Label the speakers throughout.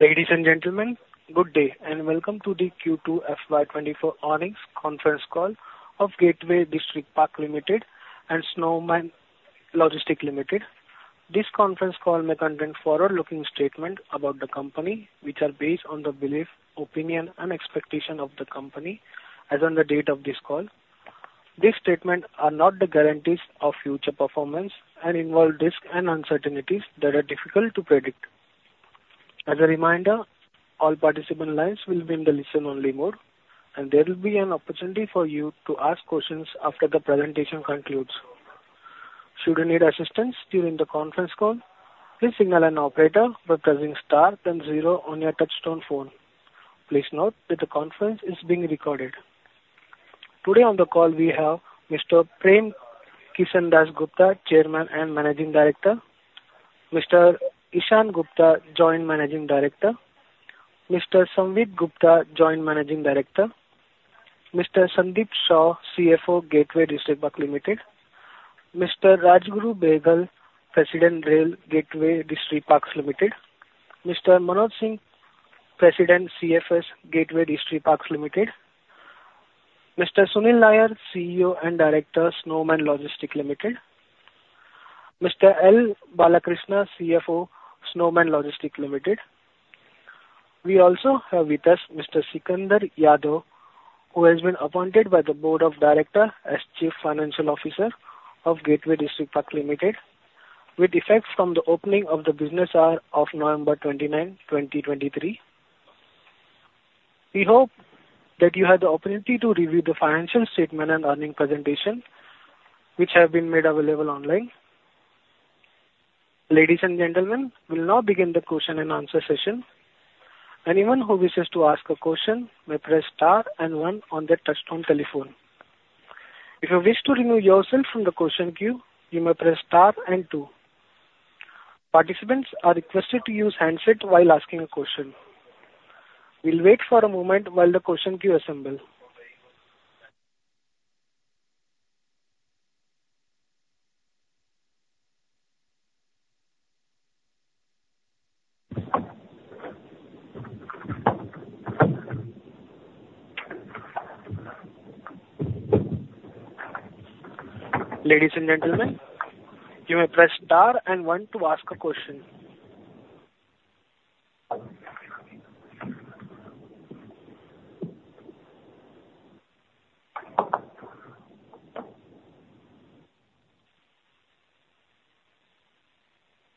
Speaker 1: Ladies and gentlemen, good day and welcome to the Q2 FY 2024 earnings conference call of Gateway Distriparks Limited and Snowman Logistics Limited. This conference call may contain forward-looking statements about the company, which are based on the belief, opinion and expectation of the company as on the date of this call. These statements are not the guarantees of future performance and involve risks and uncertainties that are difficult to predict. As a reminder, all participant lines will be in the listen only mode, and there will be an opportunity for you to ask questions after the presentation concludes. Should you need assistance during the conference call, please signal an operator by pressing star then zero on your touchtone phone. Please note that the conference is being recorded. Today on the call we have Mr. Prem Kishan Dass Gupta, Chairman and Managing Director. Mr. Ishaan Gupta, Joint Managing Director. Mr. Samvid Gupta, Joint Managing Director. Mr. Sandeep Kumar Shaw, CFO, Gateway Distriparks Limited. Mr. Rajguru Behgal, President, Rail Gateway Distriparks Limited. Mr. Manoj Singh, President, CFS Gateway Distriparks Limited. Mr. Sunil Nair, CEO and Director, Snowman Logistics Limited. Mr. N Balakrishna, CFO, Snowman Logistics Limited. We also have with us Mr. Sikander Yadav, who has been appointed by the board of directors as Chief Financial Officer of Gateway Distriparks Limited, with effect from the opening of the business hour of November 29, 2023. We hope that you had the opportunity to review the financial statement and earning presentation, which have been made available online. Ladies and gentlemen, we will now begin the question and answer session. Anyone who wishes to ask a question may press star and one on their touchtone telephone. If you wish to remove yourself from the question queue, you may press star and two. Participants are requested to use handset while asking a question. We'll wait for a moment while the question queue assembles. Ladies and gentlemen, you may press star and one to ask a question.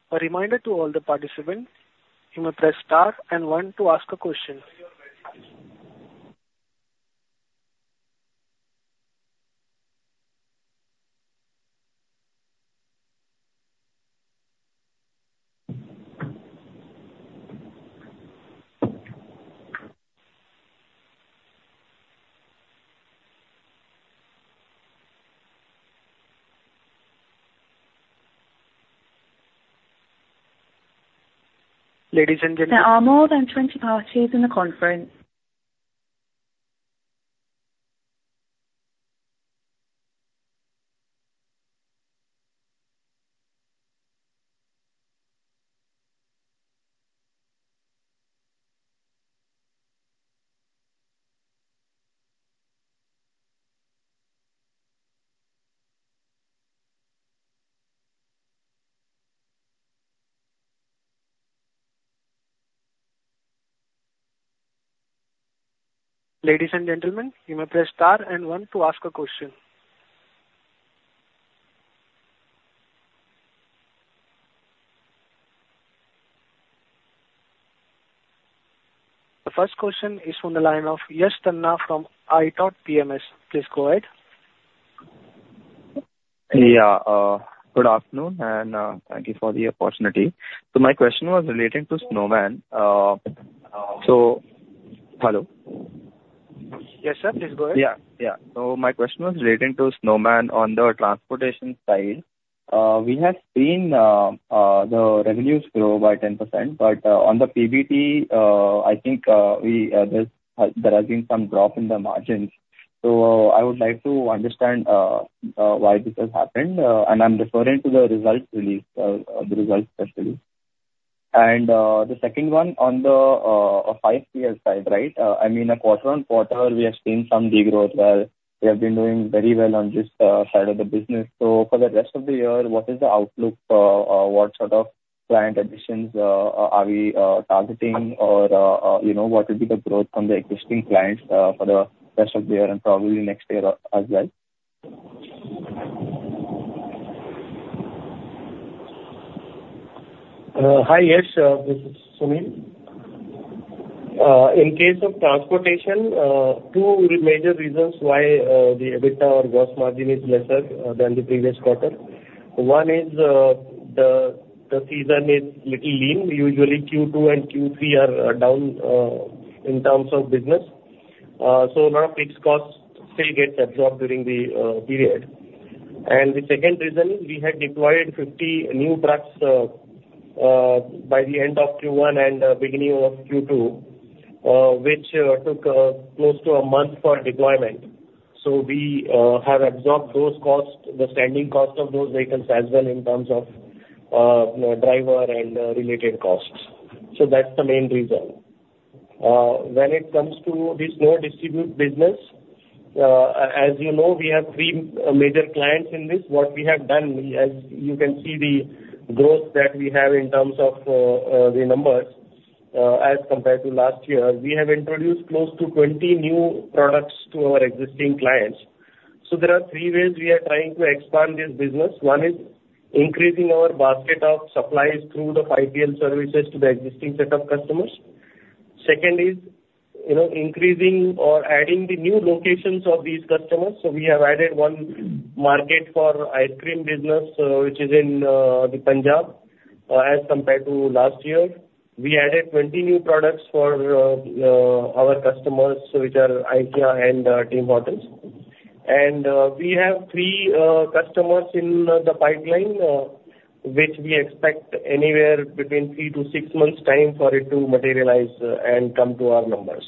Speaker 1: A reminder to all the participants, you may press star and one to ask a question. Ladies and gentlemen.
Speaker 2: There are more than 20 parties in the conference.
Speaker 1: Ladies and gentlemen, you may press star and one to ask a question. The first question is from the line of Yash Tanna from ithought PMS. Please go ahead.
Speaker 3: Yeah. Good afternoon and thank you for the opportunity. My question was relating to Snowman. Hello?
Speaker 1: Yes, sir, please go ahead.
Speaker 3: Yeah. My question was relating to Snowman on the transportation side. We have seen the revenues grow by 10%, but on the PBT, I think there has been some drop in the margins. I would like to understand why this has happened, and I'm referring to the results released, the results especially. The second one on the 5PL side. I mean, quarter-on-quarter, we have seen some de-growth where we have been doing very well on this side of the business. For the rest of the year, what is the outlook? What sort of client additions are we targeting or what would be the growth from the existing clients for the rest of the year and probably next year as well?
Speaker 4: Hi, Yash. This is Sunil. In case of transportation, two major reasons why the EBITDA or gross margin is lesser than the previous quarter. One is the season is little lean. Usually Q2 and Q3 are down in terms of business. Lot of fixed costs still get absorbed during the period. The second reason, we had deployed 50 new trucks by the end of Q1 and beginning of Q2. Which took close to a month for deployment. We have absorbed those costs, the standing cost of those vehicles as well in terms of driver and related costs. That's the main reason. When it comes to this SnowDistribute business, as you know, we have three major clients in this. What we have done, as you can see the growth that we have in terms of the numbers as compared to last year, we have introduced close to 20 new products to our existing clients. There are three ways we are trying to expand this business. One is increasing our basket of supplies through the 5PL services to the existing set of customers. Second is increasing or adding the new locations of these customers. We have added one market for ice cream business, which is in the Punjab as compared to last year. We added 20 new products for our customers, which are IKEA and Taj Hotels. We have three customers in the pipeline which we expect anywhere between three to six months time for it to materialize and come to our numbers.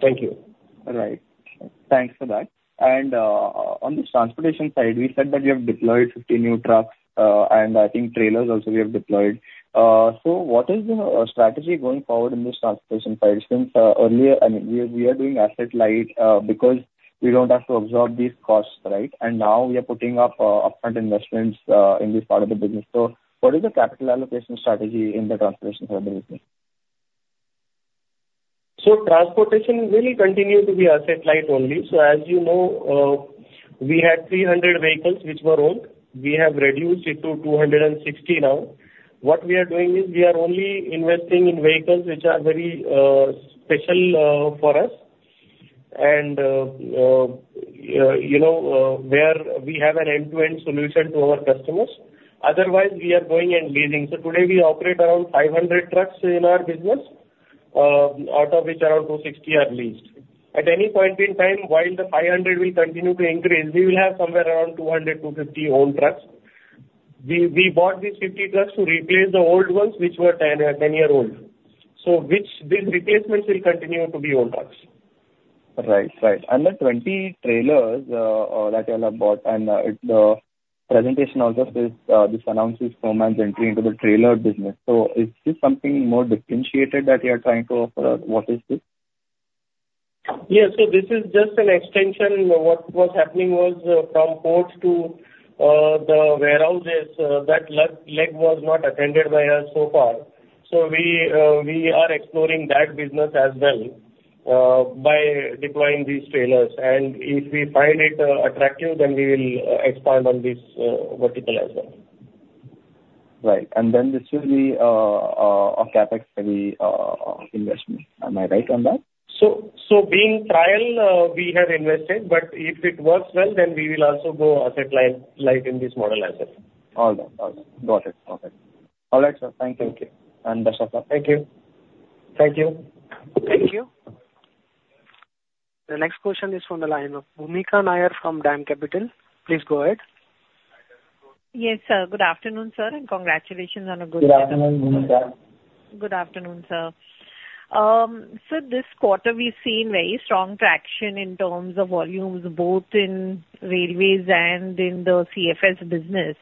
Speaker 4: Thank you.
Speaker 3: All right. Thanks for that. On this transportation side, we said that you have deployed 50 new trucks, and I think trailers also we have deployed. What is the strategy going forward in this transportation side, since earlier, we are doing asset light because we don't have to absorb these costs, right? Now we are putting up upfront investments in this part of the business. What is the capital allocation strategy in the transportation side of the business?
Speaker 4: Transportation will continue to be asset light only. As you know, we had 300 vehicles which were owned. We have reduced it to 260 now. What we are doing is we are only investing in vehicles which are very special for us and where we have an end-to-end solution to our customers. Otherwise, we are going and leasing. Today we operate around 500 trucks in our business, out of which around 260 are leased. At any point in time, while the 500 will continue to increase, we will have somewhere around 200, 250 owned trucks. We bought these 50 trucks to replace the old ones, which were 10-year-old. These replacements will continue to be owned trucks.
Speaker 3: Right. The 20 trailers that you'll have bought, the presentation also says, this announces Snowman Logistics's entry into the trailer business. Is this something more differentiated that you are trying to offer? What is this?
Speaker 4: Yes. This is just an extension. What was happening was from ports to the warehouses, that leg was not attended by us so far. We are exploring that business as well by deploying these trailers, and if we find it attractive, then we will expand on this vertical as well.
Speaker 3: Right. This will be a CapEx heavy investment. Am I right on that?
Speaker 4: Being trial, we have invested, but if it works well, then we will also go asset light in this model as well.
Speaker 3: All right. Got it. Okay. All right, sir. Thank you. Thank you. Dasharath.
Speaker 4: Thank you.
Speaker 3: Thank you.
Speaker 1: Thank you. The next question is from the line of Bhoomika Nair from DAM Capital. Please go ahead.
Speaker 5: Yes, sir. Good afternoon, sir, and congratulations on a good quarter.
Speaker 4: Good afternoon, Bhoomika.
Speaker 5: Good afternoon, sir. This quarter we've seen very strong traction in terms of volumes, both in railways and in the CFS business.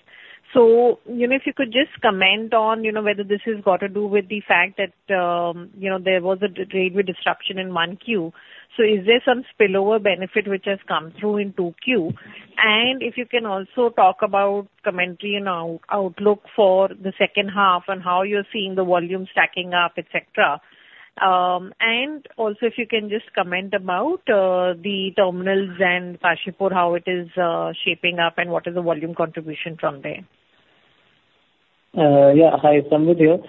Speaker 5: If you could just comment on whether this has got to do with the fact that there was a railway disruption in Q1. Is there some spillover benefit which has come through in Q2? If you can also talk about commentary and outlook for the second half on how you're seeing the volume stacking up, et cetera. If you can just comment about the terminals and Kashipur, how it is shaping up and what is the volume contribution from there.
Speaker 6: Hi, Samvid here.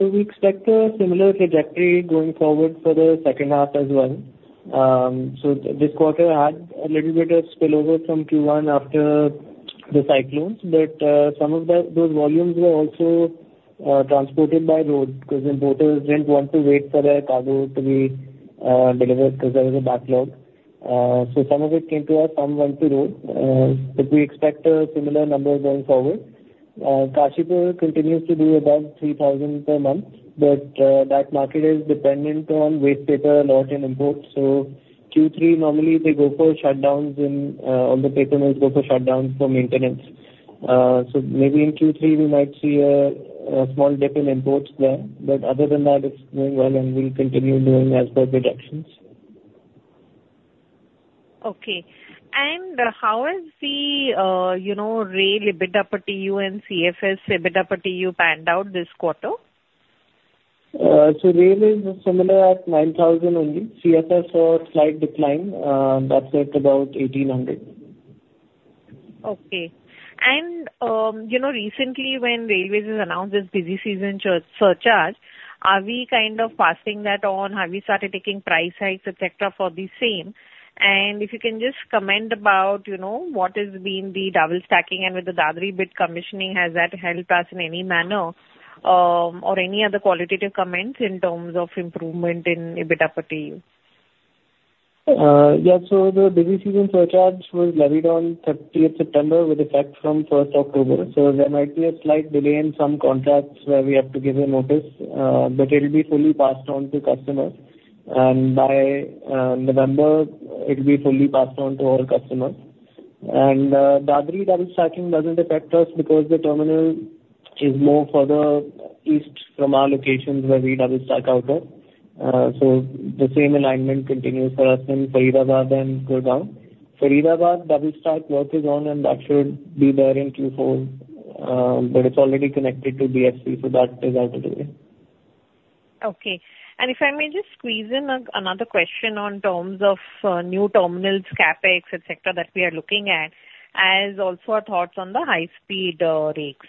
Speaker 6: We expect a similar trajectory going forward for the second half as well. This quarter had a little bit of spillover from Q1 after the cyclones. Some of those volumes were also transported by road because the porters didn't want to wait for their cargo to be delivered because there was a backlog. Some of it came to us, some went to road. We expect a similar number going forward. Kashipur continues to do above 3,000 per month, but that market is dependent on waste paper a lot in import. Q3 normally all the paper mills go for shutdowns for maintenance. Maybe in Q3 we might see a small dip in imports there. Other than that, it's doing well, and we'll continue doing as per projections.
Speaker 5: Okay. How has the rail EBITDA per TEU and CFS EBITDA per TEU panned out this quarter?
Speaker 6: Rail is similar at INR 9,000 only. CFS saw a slight decline. That's at about INR 1,800.
Speaker 5: Okay. Recently when Indian Railways has announced this busy season surcharge, are we kind of passing that on? Have we started taking price hikes, et cetera, for the same? If you can just comment about what has been the double stacking and with the Dadri bit commissioning, has that helped us in any manner? Or any other qualitative comments in terms of improvement in EBITDA to you?
Speaker 7: Yeah. The busy season surcharge was levied on 30th September with effect from 1st October. There might be a slight delay in some contracts where we have to give a notice, but it'll be fully passed on to customers. By November, it'll be fully passed on to all customers. Dadri double stacking doesn't affect us because the terminal is more further east from our locations where we double stack out there. The same alignment continues for us in Faridabad and Gurgaon. Faridabad double stack work is on, and that should be there in Q4. It's already connected to DFC, so that is out of the way.
Speaker 5: Okay. If I may just squeeze in another question on terms of new terminals, CapEx, et cetera, that we are looking at, and also our thoughts on the high-speed rakes.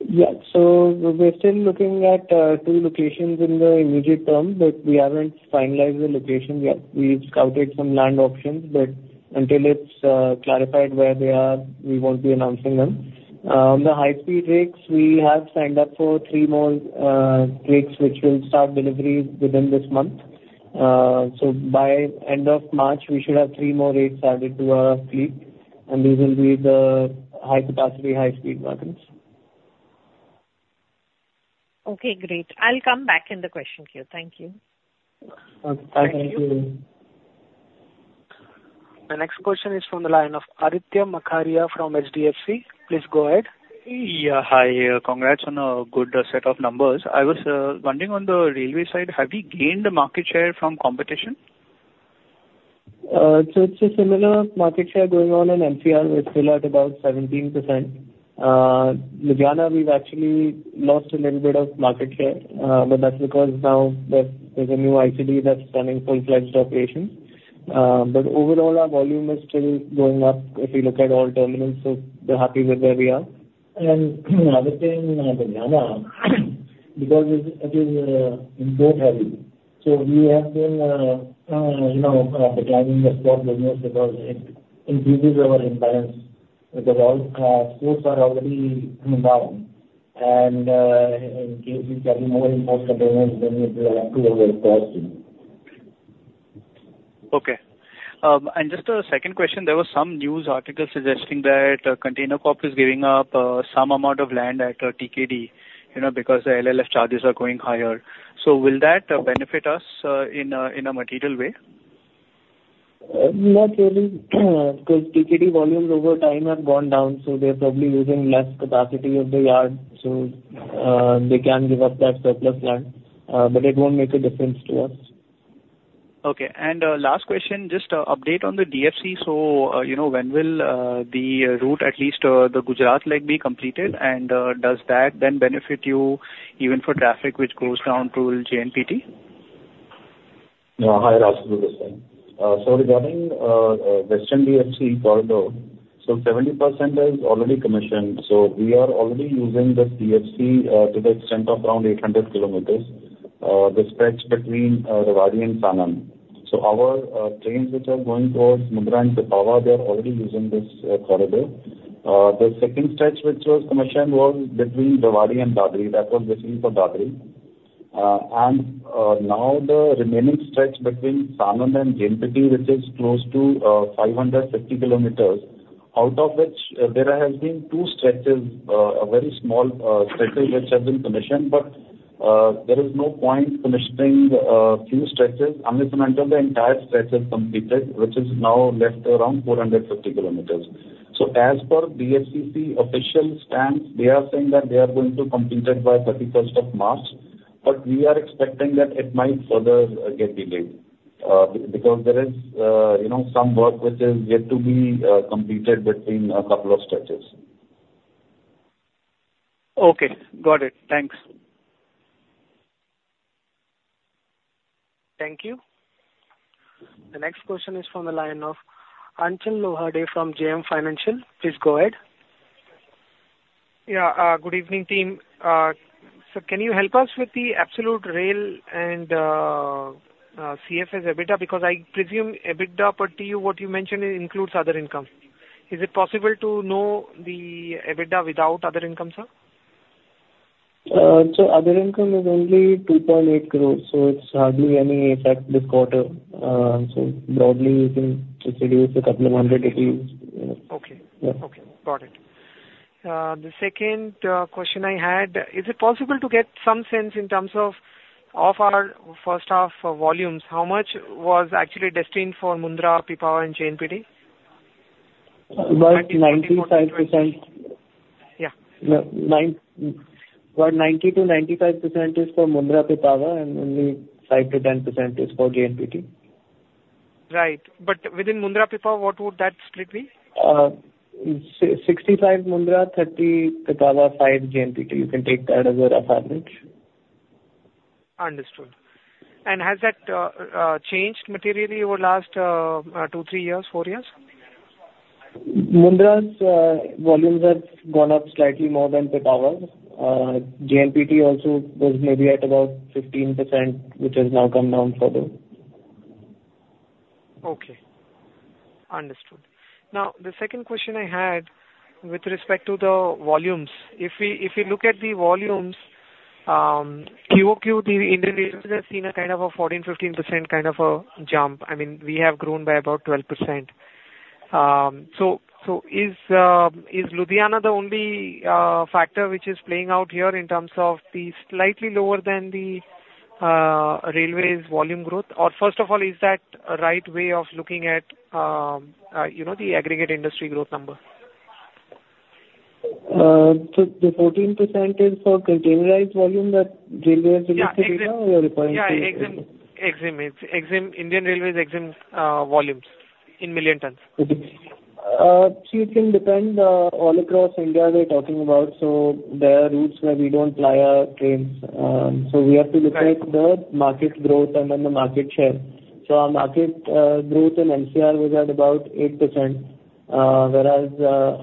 Speaker 7: Yeah. We're still looking at two locations in the immediate term, but we haven't finalized the location yet. We've scouted some land options, but until it's clarified where they are, we won't be announcing them. On the high-speed rakes, we have signed up for three more rakes, which will start deliveries within this month. By end of March, we should have three more rakes added to our fleet, and these will be the high capacity, high-speed wagons.
Speaker 5: Okay, great. I'll come back in the question queue. Thank you.
Speaker 7: Okay. Thank you.
Speaker 1: The next question is from the line of Aditya Makharia from HDFC. Please go ahead.
Speaker 8: Yeah. Hi. Congrats on a good set of numbers. I was wondering on the railway side, have you gained market share from competition?
Speaker 7: It's a similar market share going on in NCR. We're still at about 17%. Ludhiana, we've actually lost a little bit of market share. That's because now there's a new ICD that's running full-fledged operations. Overall, our volume is still going up if you look at all terminals. We're happy with where we are. Other thing, Ludhiana, because it is import heavy. We have been abandoning the spot business because it increases our imbalance because our ports are already inbound. In case we carry more imports than we would like to, we're forced to.
Speaker 8: Okay. Just a second question. There was some news article suggesting that Container Corp is giving up some amount of land at TKD because the LLS charges are going higher. Will that benefit us in a material way?
Speaker 7: Not really, because TKD volumes over time have gone down. They're probably using less capacity of the yard. They can give up that surplus land. It won't make a difference to us.
Speaker 8: Okay. Last question, just update on the DFC. When will the route, at least the Gujarat leg be completed? Does that then benefit you even for traffic which goes down to JNPT?
Speaker 9: Hi, Rajguru this side. Regarding western DFC corridor, 70% is already commissioned. We are already using the DFC to the extent of around 800 kilometers. The stretch between Rewari and Sanand. Our trains which are going towards Mundra and Pipavav, they are already using this corridor. The second stretch which was commissioned was between Rewari and Dadri. That was basically for Dadri. Now the remaining stretch between Sanand and JNPT, which is close to 550 kilometers, out of which there have been two stretches, very small stretches which have been commissioned. There is no point commissioning few stretches unless and until the entire stretch is completed, which is now left around 450 kilometers. As per DFCCIL official stance, they are saying that they are going to complete it by 31st of March, but we are expecting that it might further get delayed because there is some work which is yet to be completed between a couple of stretches.
Speaker 8: Okay. Got it. Thanks.
Speaker 1: Thank you. The next question is from the line of Achal Lohade from JM Financial. Please go ahead.
Speaker 10: Good evening, team. Can you help us with the Absolute Rail and CFS EBITDA? Because I presume EBITDA per TEU what you mentioned includes other income. Is it possible to know the EBITDA without other income, sir?
Speaker 7: Other income is only 2.8 crores. It's hardly any effect this quarter. Broadly you can just reduce a couple of hundred, if you use.
Speaker 10: Okay.
Speaker 7: Yeah.
Speaker 10: Okay. Got it. The second question I had, is it possible to get some sense in terms of offer first half volumes, how much was actually destined for Mundra, Pipavav, and JNPT?
Speaker 7: About 95%.
Speaker 10: Yeah.
Speaker 7: About 90%-95% is for Mundra, Pipavav. Only 5%-10% is for JNPT.
Speaker 10: Right. Within Mundra, Pipavav, what would that split be?
Speaker 7: 65 Mundra, 30 Pipavav, five JNPT. You can take that as your average.
Speaker 10: Understood. Has that changed materially over last two, three, four years?
Speaker 7: Mundra's volumes have gone up slightly more than Pipavav's. JNPT also was maybe at about 15%, which has now come down further.
Speaker 10: Okay. Understood. The second question I had with respect to the volumes. If we look at the volumes, QOQ, the Indian Railways has seen a 14, 15% kind of a jump. We have grown by about 12%. Is Ludhiana the only factor which is playing out here in terms of the slightly lower than the Railways volume growth? First of all, is that a right way of looking at the aggregate industry growth number?
Speaker 7: The 14% is for containerized volume that Railways released the data or you're referring to?
Speaker 10: Yeah, EXIM. Indian Railways EXIM volumes in million tons.
Speaker 7: It can depend all across India they're talking about, there are routes where we don't ply our trains. We have to look at the market growth and then the market share. Our market growth in NCR was at about 8%, whereas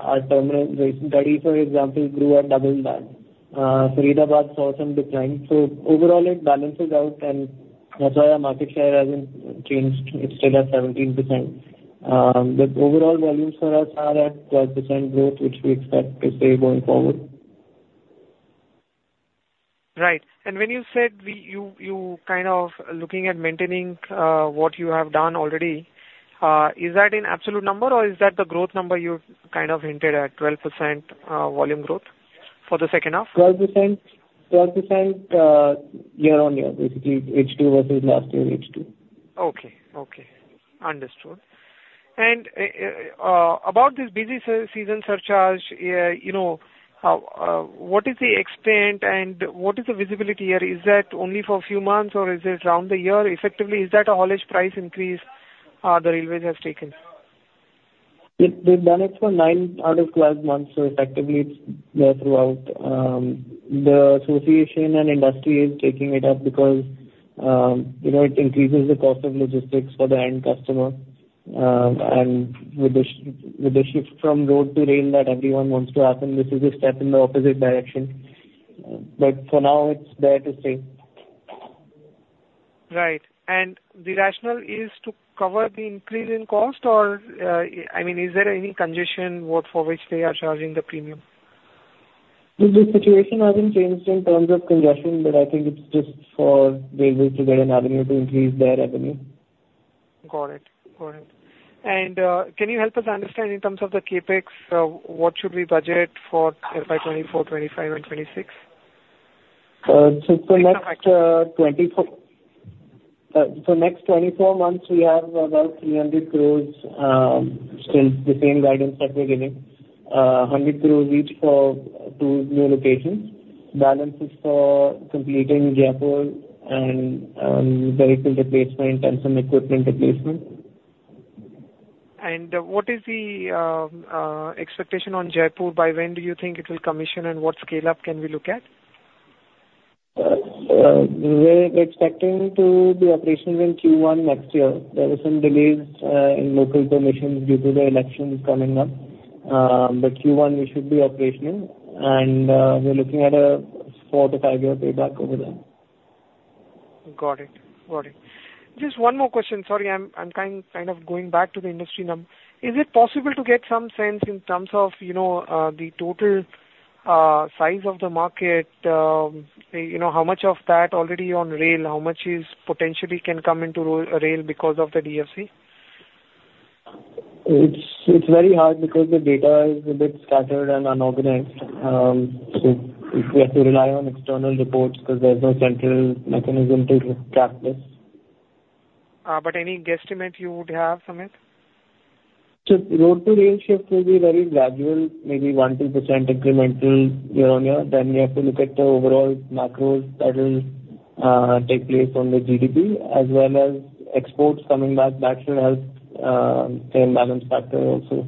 Speaker 7: our terminal study, for example, grew at double that. Faridabad saw some decline. Overall, it balances out, and that's why our market share hasn't changed. It's still at 17%. Overall volumes for us are at 12% growth, which we expect to stay going forward.
Speaker 10: Right. When you said you looking at maintaining what you have done already, is that in absolute number or is that the growth number you've hinted at 12% volume growth for the second half?
Speaker 7: 12% year-on-year. Basically H2 versus last year H2.
Speaker 10: Okay. Understood. About this busy season surcharge, what is the extent and what is the visibility here? Is that only for a few months or is it around the year effectively? Is that a haulage price increase the Railways have taken?
Speaker 7: They've done it for nine out of 12 months, effectively it's there throughout. The association and industry is taking it up because it increases the cost of logistics for the end customer. With the shift from road to rail that everyone wants to happen, this is a step in the opposite direction. For now, it's there to stay.
Speaker 10: Right. The rationale is to cover the increase in cost or is there any congestion for which they are charging the premium?
Speaker 7: The situation hasn't changed in terms of congestion, I think it's just for railways to get an avenue to increase their revenue.
Speaker 10: Got it. Can you help us understand in terms of the CapEx, what should we budget for FY 2024, 2025, and 2026?
Speaker 7: For next 24 months, we have about 300 crore, still the same guidance that we're giving. 100 crore each for two new locations. Balance is for completing Jaipur and vehicle replacement and some equipment replacement.
Speaker 10: What is the expectation on Jaipur? By when do you think it will commission and what scale up can we look at?
Speaker 7: We're expecting to be operational in Q1 next year. There are some delays in local permissions due to the elections coming up. Q1 we should be operational and we're looking at a four to five-year payback over there.
Speaker 10: Got it. Just one more question. Sorry, I'm kind of going back to the industry number. Is it possible to get some sense in terms of the total size of the market, how much of that already on rail, how much is potentially can come into rail because of the DFC?
Speaker 7: It's very hard because the data is a bit scattered and unorganized. We have to rely on external reports because there's no central mechanism to track this.
Speaker 10: Any guesstimate you would have, Sumit?
Speaker 7: Road to rail shift will be very gradual, maybe 1, 2% incremental year-on-year. We have to look at the overall macros that will take place on the GDP as well as exports coming back. That should help train balance factor also.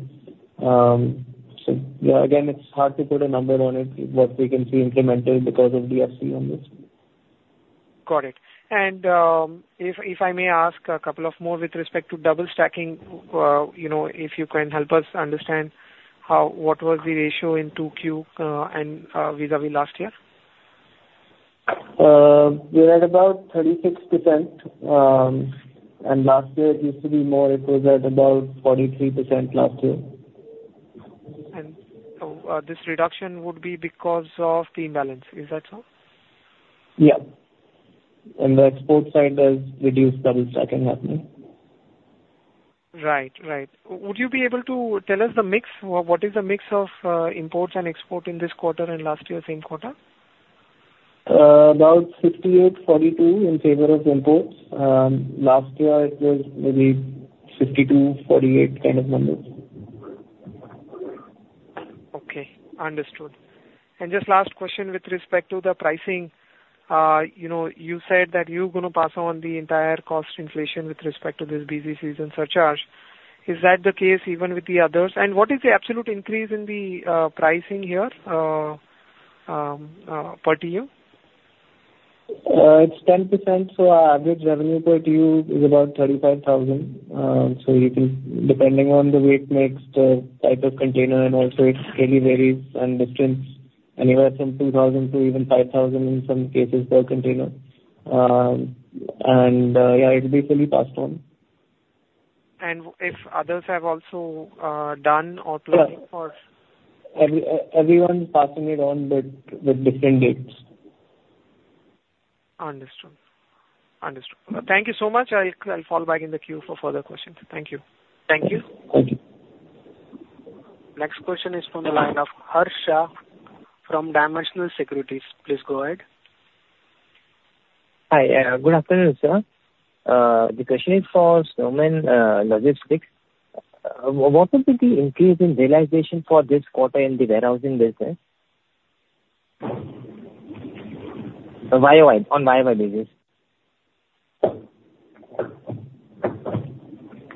Speaker 7: Yeah, again, it's hard to put a number on it, what we can see incremental because of DFC on this.
Speaker 10: Got it. If I may ask a couple of more with respect to double stacking, if you can help us understand what was the ratio in 2Q and vis-à-vis last year.
Speaker 7: We're at about 36%. Last year it used to be more, it was at about 43% last year.
Speaker 10: This reduction would be because of the imbalance. Is that so?
Speaker 7: Yeah. On the export side, there's reduced double stacking happening.
Speaker 10: Right. Would you be able to tell us the mix? What is the mix of imports and export in this quarter and last year same quarter?
Speaker 7: About 68/42 in favor of imports. Last year it was maybe 52/48 kind of numbers.
Speaker 10: Okay. Understood. Just last question with respect to the pricing. You said that you're going to pass on the entire cost inflation with respect to this busy season surcharge. Is that the case even with the others? What is the absolute increase in the pricing here per TEU?
Speaker 7: It's 10%. Our average revenue per TEU is about 35,000. Depending on the weight mix, the type of container, and also it really varies on distance Anywhere from 2,000 to even 5,000 in some cases per container. Yeah, it will be fully passed on.
Speaker 10: If others have also done or planning for.
Speaker 7: Everyone's passing it on but with different dates.
Speaker 10: Understood. Thank you so much. I'll fall back in the queue for further questions. Thank you.
Speaker 4: Thank you.
Speaker 1: Thank you. Next question is from the line of Harsh from Dimensional Securities. Please go ahead.
Speaker 11: Hi. Good afternoon, sir. The question is for Snowman Logistics. What will be the increase in realization for this quarter in the warehousing business? On year-over-year basis.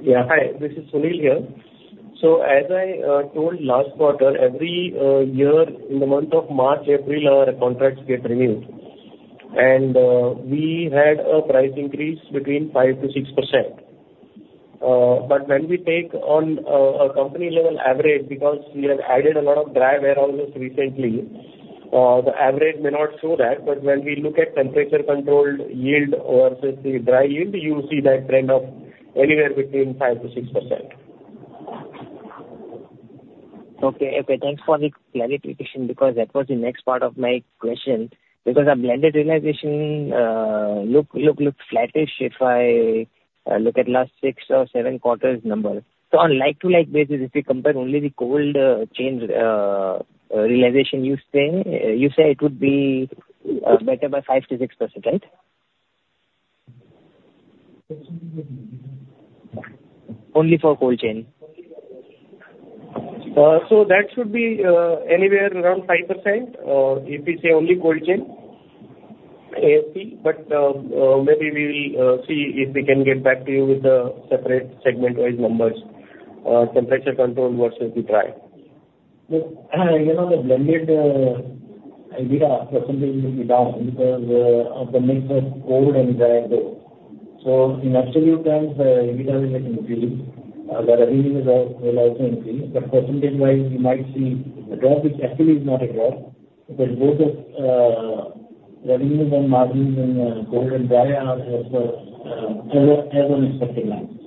Speaker 4: Yeah. Hi, this is Sunil here. As I told last quarter, every year in the month of March, April, our contracts get renewed. We had a price increase between 5%-6%. When we take on a company-level average, because we have added a lot of dry warehouses recently, the average may not show that. When we look at temperature-controlled yield versus the dry yield, you see that trend of anywhere between 5%-6%.
Speaker 11: Okay. Thanks for the clarification, that was the next part of my question. Our blended realization looks flattish if I look at last six or seven quarters number. On like-to-like basis, if we compare only the cold chain realization, you say it would be better by 5%-6%, right? Only for cold chain.
Speaker 4: That should be anywhere around 5%, if we say only cold chain, ASP. Maybe we will see if we can get back to you with the separate segment-wise numbers, temperature-controlled versus the dry.
Speaker 9: The blended EBITDA percentage will be down because our earnings are cold and dry both. In absolute terms, the EBITDA will increase. The revenue will also increase, but percentage-wise, we might see a drop, which actually is not a drop, because both our revenues and margins in cold and dry are well expected lines.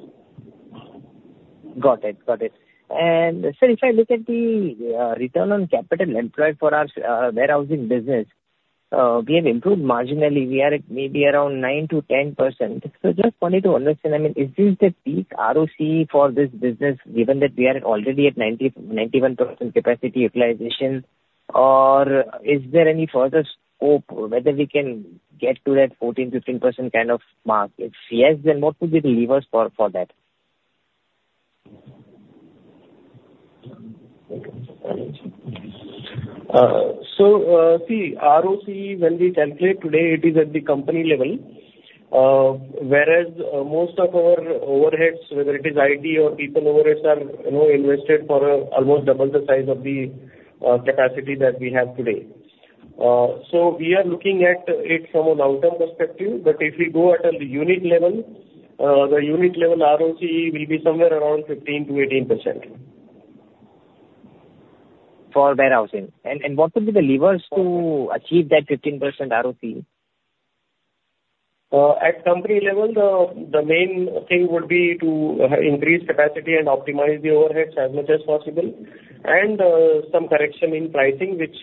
Speaker 11: Got it. Sir, if I look at the return on capital employed for our warehousing business, we have improved marginally. We are at maybe around 9%-10%. Just wanted to understand, is this the peak ROCE for this business given that we are already at 91% capacity utilization, or is there any further scope whether we can get to that 14%-15% kind of mark? If yes, what would be the levers for that?
Speaker 4: See, ROCE, when we calculate today, it is at the company level. Whereas most of our overheads, whether it is IT or people overheads are invested for almost double the size of the capacity that we have today. We are looking at it from a long-term perspective, but if we go at a unit level, the unit level ROCE will be somewhere around 15%-18%.
Speaker 11: For warehousing. What will be the levers to achieve that 15% ROCE?
Speaker 4: At company level, the main thing would be to increase capacity and optimize the overheads as much as possible, and some correction in pricing, which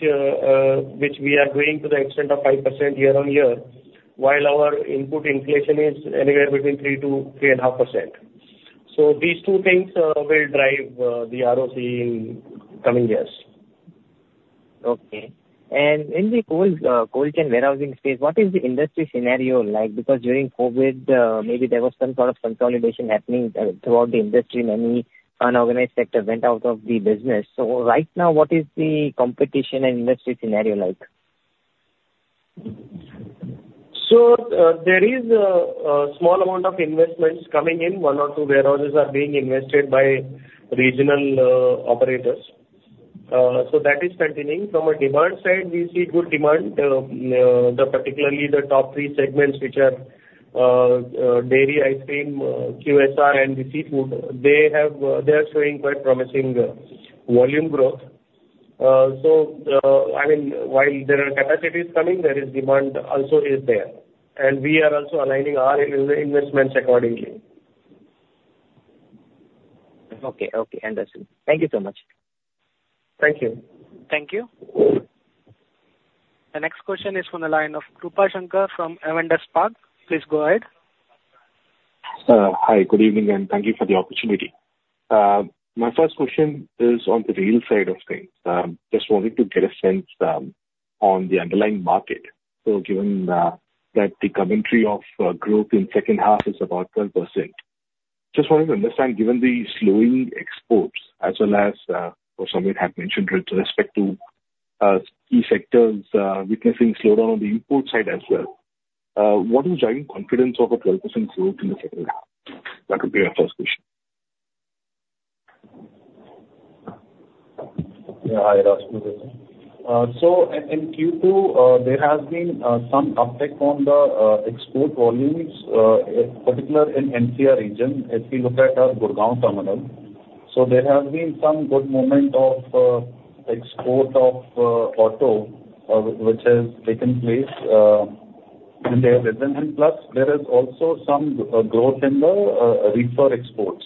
Speaker 4: we are doing to the extent of 5% year-on-year, while our input inflation is anywhere between 3%-3.5%. These two things will drive the ROCE in coming years.
Speaker 11: Okay. In the cold chain warehousing space, what is the industry scenario like? Because during COVID, maybe there was some sort of consolidation happening throughout the industry. Many unorganized sector went out of the business. Right now, what is the competition and industry scenario like?
Speaker 4: There is a small amount of investments coming in. One or two warehouses are being invested by regional operators. That is continuing. From a demand side, we see good demand. Particularly the top three segments, which are dairy, ice cream, QSR, and ready-to-eat food, they are showing quite promising volume growth. While there are capacities coming, demand also is there. We are also aligning our investments accordingly.
Speaker 11: Okay. Understood. Thank you so much.
Speaker 4: Thank you.
Speaker 1: Thank you. The next question is from the line of Rupesh Shankar from Avendus Spark. Please go ahead.
Speaker 12: Hi, good evening, and thank you for the opportunity. My first question is on the rail side of things. Just wanted to get a sense on the underlying market. Given that the commentary of growth in second half is about 12%. Just wanted to understand, given the slowing exports as well as, or someone had mentioned with respect to key sectors witnessing slowdown on the import side as well, what is driving confidence of a 12% growth in the second half? That would be my first question.
Speaker 9: Yeah. Hi, Rajguru here. In Q2, there has been some uptick on the export volumes, particular in NCR region. If you look at our Gurgaon terminal, there has been some good movement of export of auto, which has taken place in their business. Plus, there is also some growth in the reefer exports,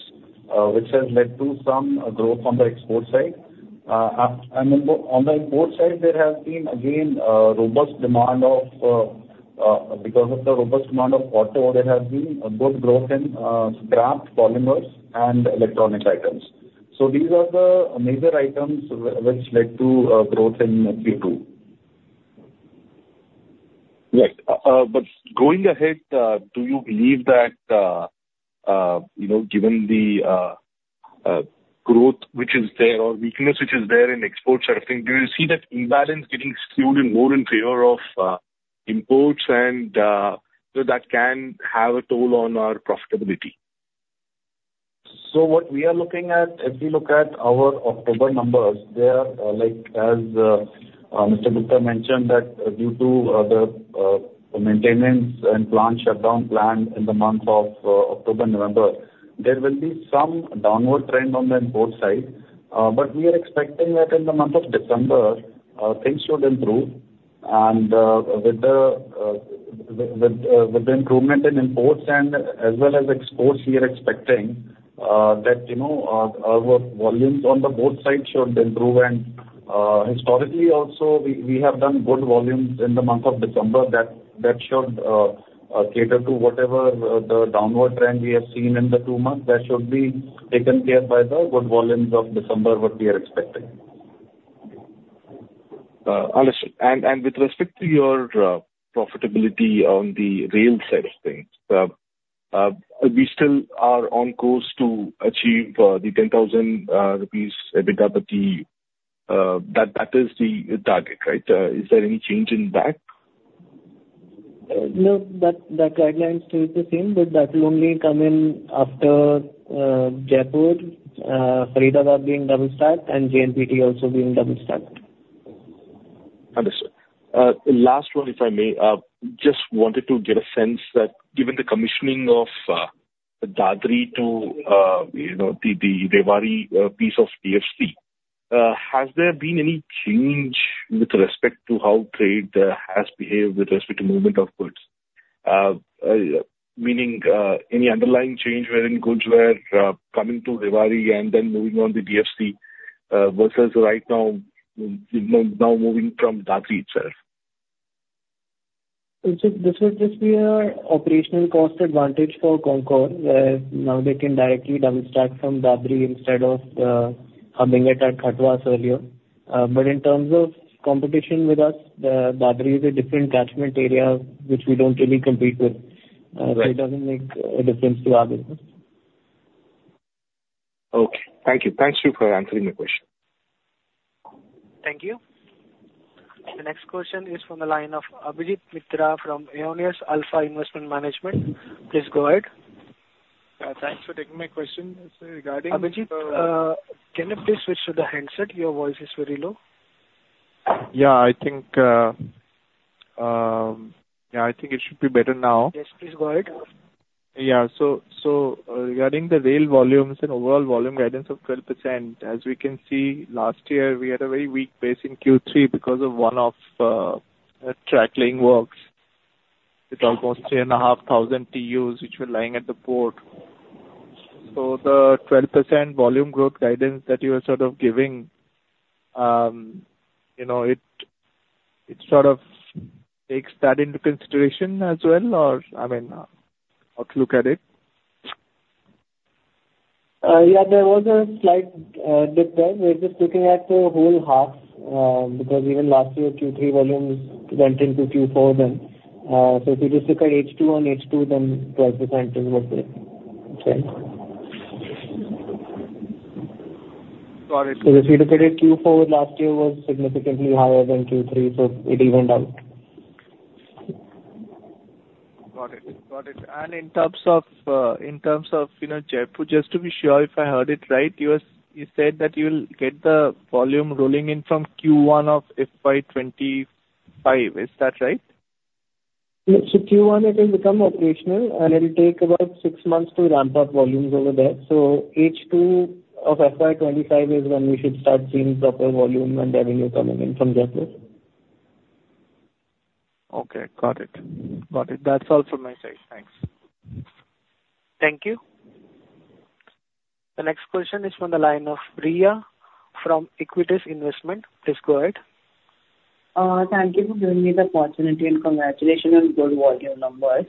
Speaker 9: which has led to some growth on the export side. On the import side, there has been, again, because of the robust demand of auto, there has been good growth in scrap polymers and electronic items. These are the major items which led to growth in Q2.
Speaker 12: Right. Going ahead, do you believe that, given the growth which is there, or weakness which is there in exports, do you see that imbalance getting skewed in more in favor of imports and so that can have a toll on our profitability?
Speaker 9: What we are looking at, if you look at our October numbers there, as Mr. Gupta mentioned, that due to the maintenance and plant shutdown planned in the month of October, November, there will be some downward trend on the import side. We are expecting that in the month of December, things should improve. With the improvement in imports and as well as exports, we are expecting that our volumes on the both sides should improve. Historically, also, we have done good volumes in the month of December. That should cater to whatever the downward trend we have seen in the two months. That should be taken care of by the good volumes of December, what we are expecting.
Speaker 12: Understood. With respect to your profitability on the rail side of things, we still are on course to achieve the 10,000 rupees EBITDA. That is the target, right? Is there any change in that?
Speaker 7: That guideline stays the same, but that will only come in after Jaipur-Faridabad being double stacked and JNPT also being double stacked.
Speaker 12: Understood. Last one, if I may. Just wanted to get a sense that given the commissioning of Dadri to the Rewari piece of DFC, has there been any change with respect to how trade has behaved with respect to movement of goods? Meaning, any underlying change wherein goods were coming to Rewari and then moving on the DFC, versus right now moving from Dadri itself.
Speaker 7: This will just be an operational cost advantage for CONCOR where now they can directly double stack from Dadri instead of hubbing it at Kathuwas earlier. In terms of competition with us, Dadri is a different catchment area which we don't really compete with.
Speaker 12: Right.
Speaker 9: It doesn't make a difference to our business.
Speaker 12: Okay. Thank you. Thanks for answering my question.
Speaker 1: Thank you. The next question is from the line of Abhijit Mitra from Aionios Alpha Investment Management. Please go ahead.
Speaker 13: Thanks for taking my question.
Speaker 1: Abhijit, can you please switch to the handset? Your voice is very low.
Speaker 13: I think it should be better now.
Speaker 1: Please go ahead.
Speaker 13: Regarding the rail volumes and overall volume guidance of 12%, as we can see, last year, we had a very weak base in Q3 because of one of track laying works with almost 3,500 TEUs which were lying at the port. The 12% volume growth guidance that you are sort of giving, it sort of takes that into consideration as well, or how to look at it?
Speaker 7: There was a slight dip there. We're just looking at the whole half, because even last year, Q3 volumes went into Q4. If you just look at H2 on H2, 12% is okay.
Speaker 13: Got it.
Speaker 9: If you look at it, Q4 last year was significantly higher than Q3, so it evened out.
Speaker 13: Got it. In terms of Jaipur, just to be sure, if I heard it right, you said that you'll get the volume rolling in from Q1 of FY 2025. Is that right?
Speaker 9: Yes. Q1, it will become operational, and it'll take about six months to ramp up volumes over there. H2 of FY 2025 is when we should start seeing proper volume and revenue coming in from Jaipur.
Speaker 13: Okay, got it. That is all from my side. Thanks.
Speaker 1: Thank you. The next question is from the line of Priya from Equitas Investment. Please go ahead.
Speaker 14: Thank you for giving me the opportunity. Congratulations on good volume numbers.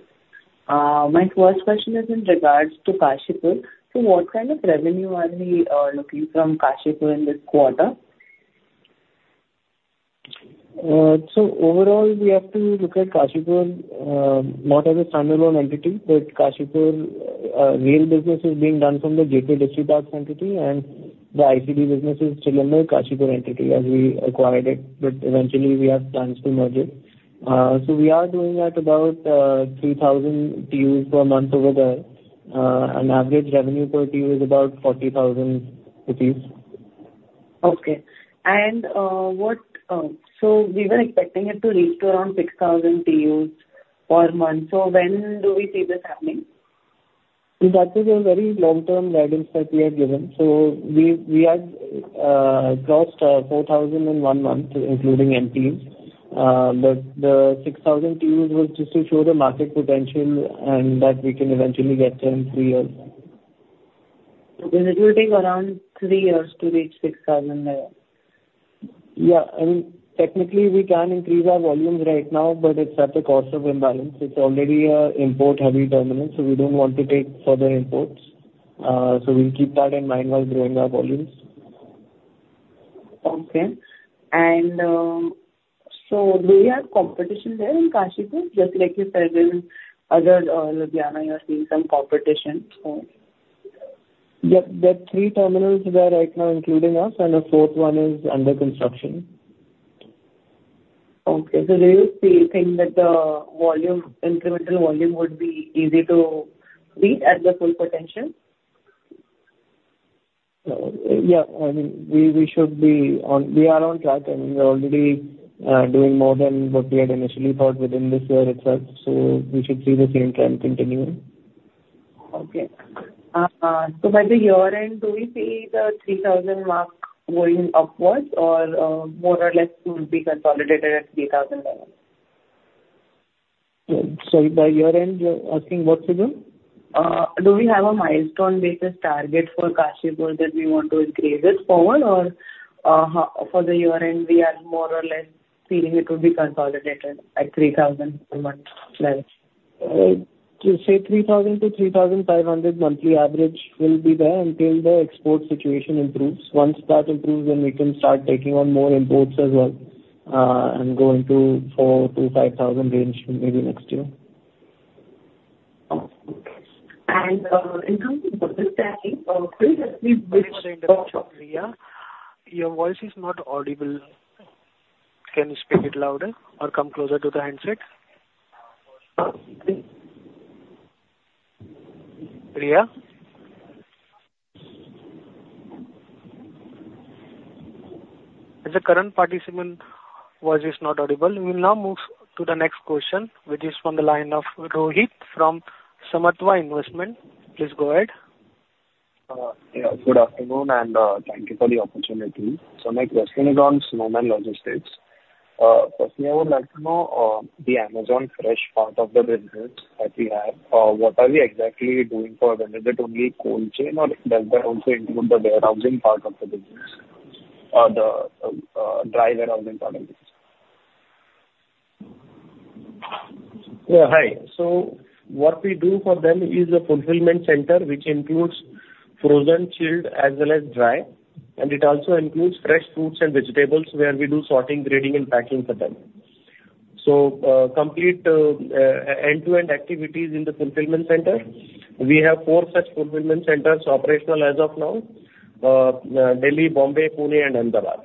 Speaker 14: My first question is in regards to Kashipur. What kind of revenue are we looking from Kashipur in this quarter?
Speaker 7: Overall, we have to look at Kashipur not as a standalone entity. Kashipur rail business is being done from the Gateway Distriparks entity. The ICD business is still under Kashipur entity as we acquired it. Eventually we have plans to merge it. We are doing at about 3,000 TUs per month over there. An average revenue per TU is about 40,000 rupees.
Speaker 14: Okay. We were expecting it to reach around 6,000 TUs per month. When do we see this happening?
Speaker 7: That is a very long-term guidance that we have given. We had crossed 4,000 in one month, including empties. The 6,000 TUs was just to show the market potential, and that we can eventually get there in three years.
Speaker 14: Okay. It will take around three years to reach 6,000 now.
Speaker 7: Yeah. Technically, we can increase our volumes right now, but it's at the cost of imbalance. It's already import heavy dominant, we don't want to take further imports. We'll keep that in mind while growing our volumes.
Speaker 14: Okay. Do we have competition there in Kashipur? Just like you said, in other, Ludhiana, you are seeing some competition.
Speaker 7: There are three terminals there right now, including us, and a fourth one is under construction.
Speaker 14: Okay. Do you think that the incremental volume would be easy to reach at the full potential?
Speaker 7: Yeah. We are on track and we are already doing more than what we had initially thought within this year itself. We should see the same trend continuing.
Speaker 14: Okay. By the year-end, do we see the 3,000 mark going upwards or more or less it will be consolidated at 3,000 level?
Speaker 15: Sorry, by year-end, you're asking what to do? Do we have a milestone-based target for Kashipur that we want to increase it forward, or for the year-end, we are more or less feeling it will be consolidated at 3,000 a month average. You say 3,000 to 3,500 monthly average will be there until the export situation improves. Once that improves, then we can start taking on more imports as well, and go into 4,000-5,000 range maybe next year.
Speaker 14: Okay. in terms of logistics-
Speaker 1: I'm sorry, Priya. Your voice is not audible. Can you speak it louder or come closer to the handset? Priya? As the current participant voice is not audible, we will now move to the next question, which is from the line of Rohit from Samatva Investment. Please go ahead.
Speaker 16: Yeah. Good afternoon, and thank you for the opportunity. My question is on Snowman Logistics. Firstly, I would like to know the Amazon Fresh part of the business that we have. What are we exactly doing for them? Is it only cold chain, or does that also include the warehousing part of the business, or the dry warehousing part of the business?
Speaker 4: Yeah. Hi. What we do for them is a fulfillment center, which includes frozen, chilled, as well as dry, and it also includes fresh fruits and vegetables where we do sorting, grading, and packing for them. Complete end-to-end activities in the fulfillment center. We have four such fulfillment centers operational as of now. Delhi, Bombay, Pune, and Ahmedabad.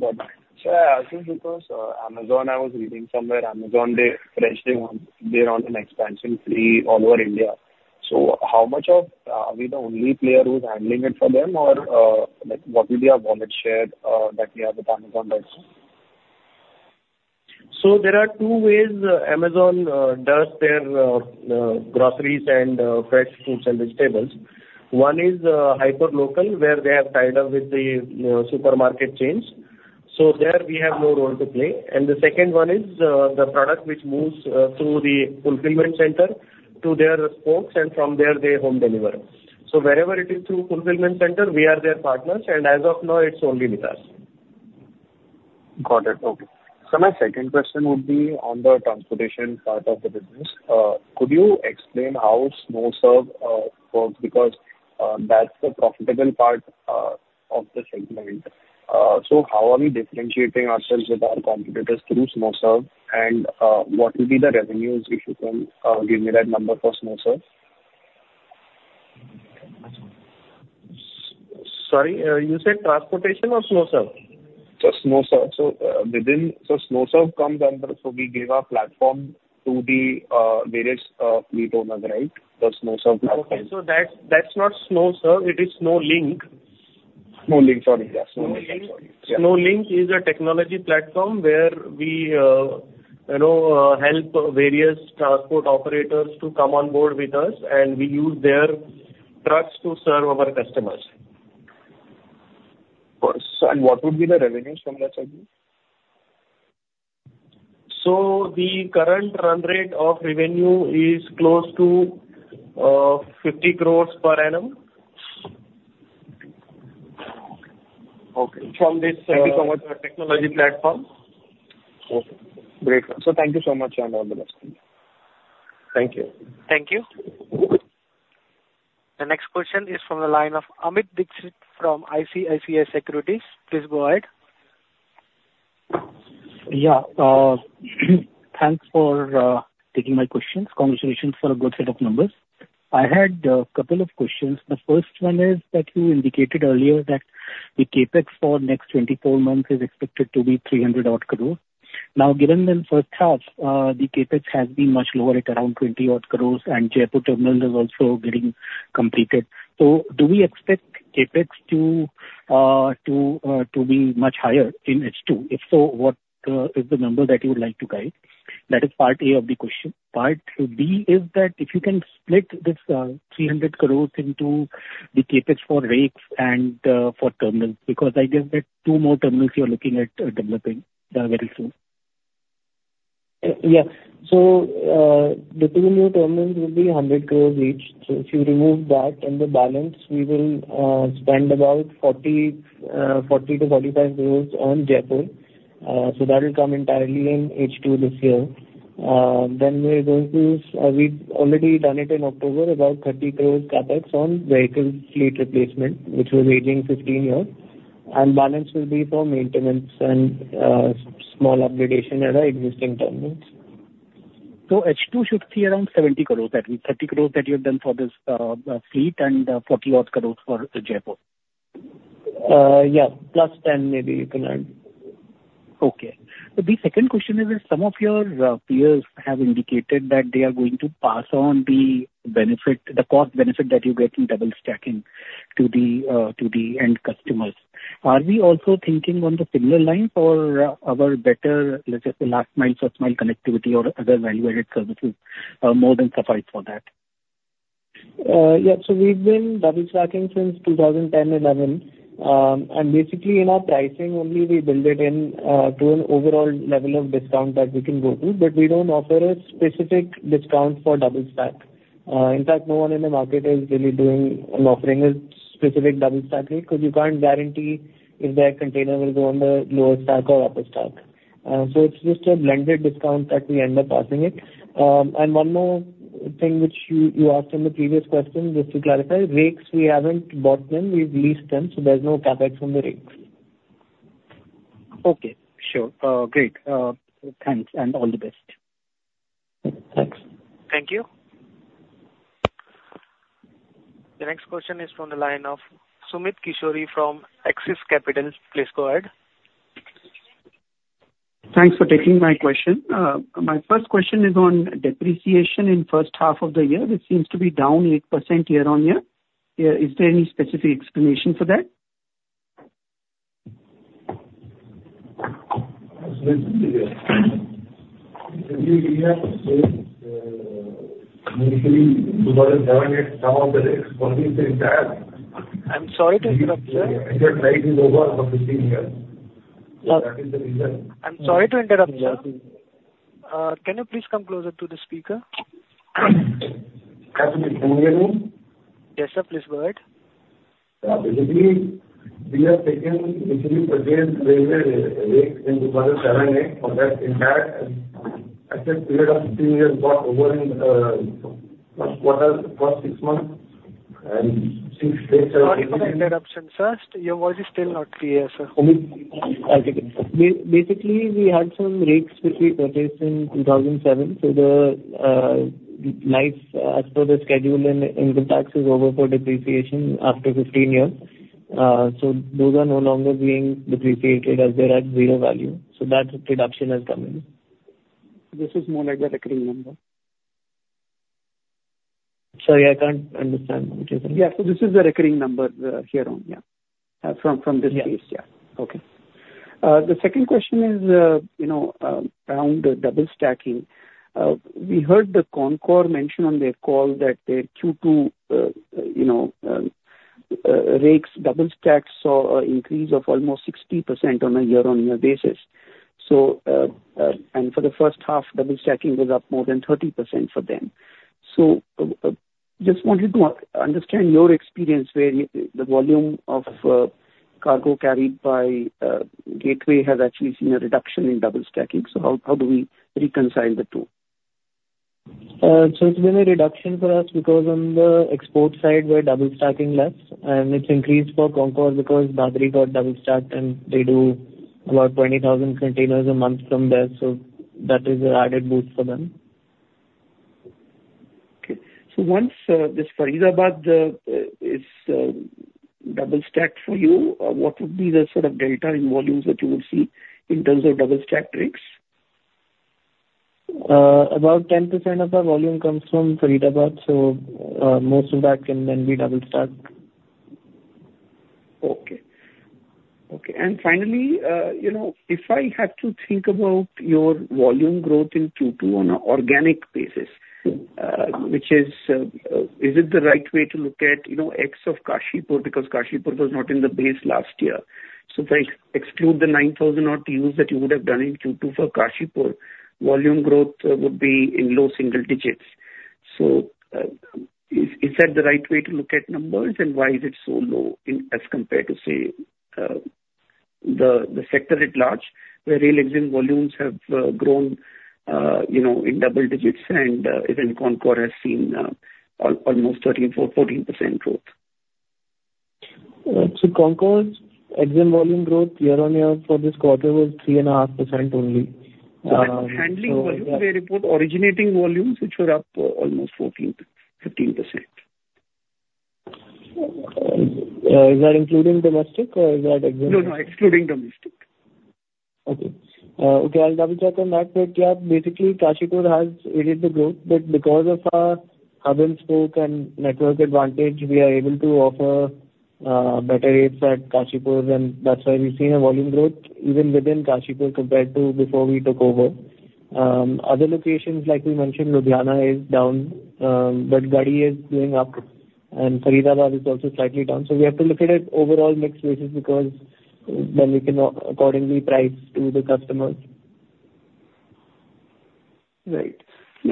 Speaker 16: Got it. Sorry, I ask you because Amazon, I was reading somewhere, Amazon Fresh, they're on an expansion spree all over India. Are we the only player who's handling it for them, or what will be our market share that we have with Amazon there?
Speaker 4: There are two ways Amazon does their groceries and fresh fruits and vegetables. One is hyperlocal, where they have tied up with the supermarket chains. There we have no role to play. The second one is the product which moves through the fulfillment center to their spokes and from there they home deliver. Wherever it is through fulfillment center, we are their partners, and as of now, it's only with us.
Speaker 16: Got it. Okay. My second question would be on the transportation part of the business. Could you explain how SnowServ works? Because that's the profitable part of the segment. How are we differentiating ourselves with our competitors through SnowServ, and what will be the revenues, if you can give me that number for SnowServ?
Speaker 4: Sorry, you said transportation or SnowServ?
Speaker 16: SnowServ. SnowServ comes under, we give our platform to the various fleet owners, right? The SnowServ platform.
Speaker 4: Okay. That's not SnowServ, it is SnowLink.
Speaker 16: SnowLink. Sorry. Yeah. SnowLink. Sorry. Yeah.
Speaker 4: SnowLink is a technology platform where we help various transport operators to come on board with us, we use their trucks to serve our customers.
Speaker 16: Of course. What would be the revenues from that segment?
Speaker 4: The current run rate of revenue is close to 50 crore per annum. Okay. From this technology platform.
Speaker 16: Okay, great. Sir, thank you so much, and all the best.
Speaker 4: Thank you.
Speaker 1: Thank you. The next question is from the line of Amit Dixit from ICICI Securities. Please go ahead.
Speaker 15: Yeah. Thanks for taking my questions. Congratulations for a good set of numbers. I had a couple of questions. The first one is that you indicated earlier that the CapEx for next 24 months is expected to be 300 odd crore. Do we expect CapEx to be much higher in H2? If so, what is the number that you would like to guide? That is part A of the question. Part B is that if you can split this 300 crore into the CapEx for rakes and for terminals, because I guess that two more terminals you are looking at developing very soon.
Speaker 7: Yeah. The two new terminals will be 100 crore each. If you remove that and the balance, we will spend about 40-45 crore on Jaipur. That will come entirely in H2 this year. We've already done it in October, about 30 crore CapEx on vehicle fleet replacement, which was aging 15 years, and balance will be for maintenance and small upgradation at our existing terminals.
Speaker 15: H2 should be around 70 crores, that means 30 crores that you have done for this fleet and 40 odd crores for Jaipur.
Speaker 7: Yeah. Plus 10 maybe.
Speaker 15: Okay. The second question is, some of your peers have indicated that they are going to pass on the cost benefit that you get in double stacking to the end customers. Are we also thinking on the similar lines or our better, let's say, last mile, first mile connectivity or other value-added services more than suffice for that?
Speaker 7: Yeah. We've been double stacking since 2010, 2011. Basically in our pricing only, we build it in to an overall level of discount that we can go to, but we don't offer a specific discount for double stack. In fact, no one in the market is really doing an offering, a specific double stack rate because you can't guarantee if their container will go on the lower stack or upper stack. It's just a blended discount that we end up passing it. One more thing which you asked in the previous question, just to clarify, rakes we haven't bought them, we've leased them, so there's no CapEx on the rakes.
Speaker 15: Okay, sure. Great. Thanks, and all the best.
Speaker 7: Thanks.
Speaker 1: Thank you. The next question is from the line of Sumit Kishore from Axis Capital. Please go ahead.
Speaker 17: Thanks for taking my question. My first question is on depreciation in first half of the year. It seems to be down 8% year on year. Is there any specific explanation for that?
Speaker 18: Basically, 2007 some of the rakes
Speaker 17: I'm sorry to interrupt, sir.
Speaker 18: life is over for 15 years.
Speaker 17: I'm sorry to interrupt, sir. Can you please come closer to the speaker?
Speaker 18: Can you hear me?
Speaker 17: Yes, sir. Please go ahead.
Speaker 18: We have taken rakes in 2007, 2008. For that entire asset period of 15 years got over in first 6 months.
Speaker 17: Sorry for the interruption, sir. Your voice is still not clear, sir.
Speaker 7: I'll take it. We had some rakes which we purchased in 2007. The life as per the schedule and income tax is over for depreciation after 15 years. Those are no longer being depreciated as they're at zero value. That reduction has come in.
Speaker 17: This is more like the recurring number.
Speaker 7: Sorry, I cannot understand what you are saying.
Speaker 17: Yeah. This is the recurring number here on. From this case.
Speaker 7: Yeah.
Speaker 17: Okay. The second question is, around the double stacking. We heard that CONCOR mention on their call that their Q2 rakes double stacks saw an increase of almost 60% on a year-on-year basis. For the first half, double stacking was up more than 30% for them. Just wanted to understand your experience where the volume of cargo carried by Gateway has actually seen a reduction in double stacking. How do we reconcile the two?
Speaker 7: It's been a reduction for us because on the export side, we're double stacking less and it's increased for CONCOR because Dadri got double stacked and they do about 20,000 containers a month from there, that is an added boost for them.
Speaker 17: Okay. Once this Faridabad is double stacked for you, what would be the sort of delta in volumes that you would see in terms of double stack rakes?
Speaker 7: About 10% of our volume comes from Faridabad, most of that can then be double stacked.
Speaker 17: Okay. Finally, if I had to think about your volume growth in Q2 on an organic basis, is it the right way to look at X of Kashipur because Kashipur was not in the base last year. If I exclude the 9,000 odd TUs that you would have done in Q2 for Kashipur, volume growth would be in low single digits. Is that the right way to look at numbers and why is it so low as compared to, say, the sector at large, where rail exam volumes have grown in double digits and even CONCOR has seen almost 13%-14% growth?
Speaker 7: CONCOR's EXIM volume growth year-over-year for this quarter was 3.5% only.
Speaker 17: Handling volume, they report originating volumes which were up almost 14%-15%.
Speaker 7: Is that including domestic or is that excluding?
Speaker 17: No, excluding domestic.
Speaker 7: Okay. I'll double-check on that. Yeah, basically Kashipur has aided the growth, because of our hub-and-spoke and network advantage, we are able to offer better rates at Kashipur, and that's why we've seen a volume growth even within Kashipur compared to before we took over. Other locations, like we mentioned, Ludhiana is down, Garhi is going up, and Faridabad is also slightly down. We have to look at it overall mix basis because then we can accordingly price to the customers.
Speaker 17: Right.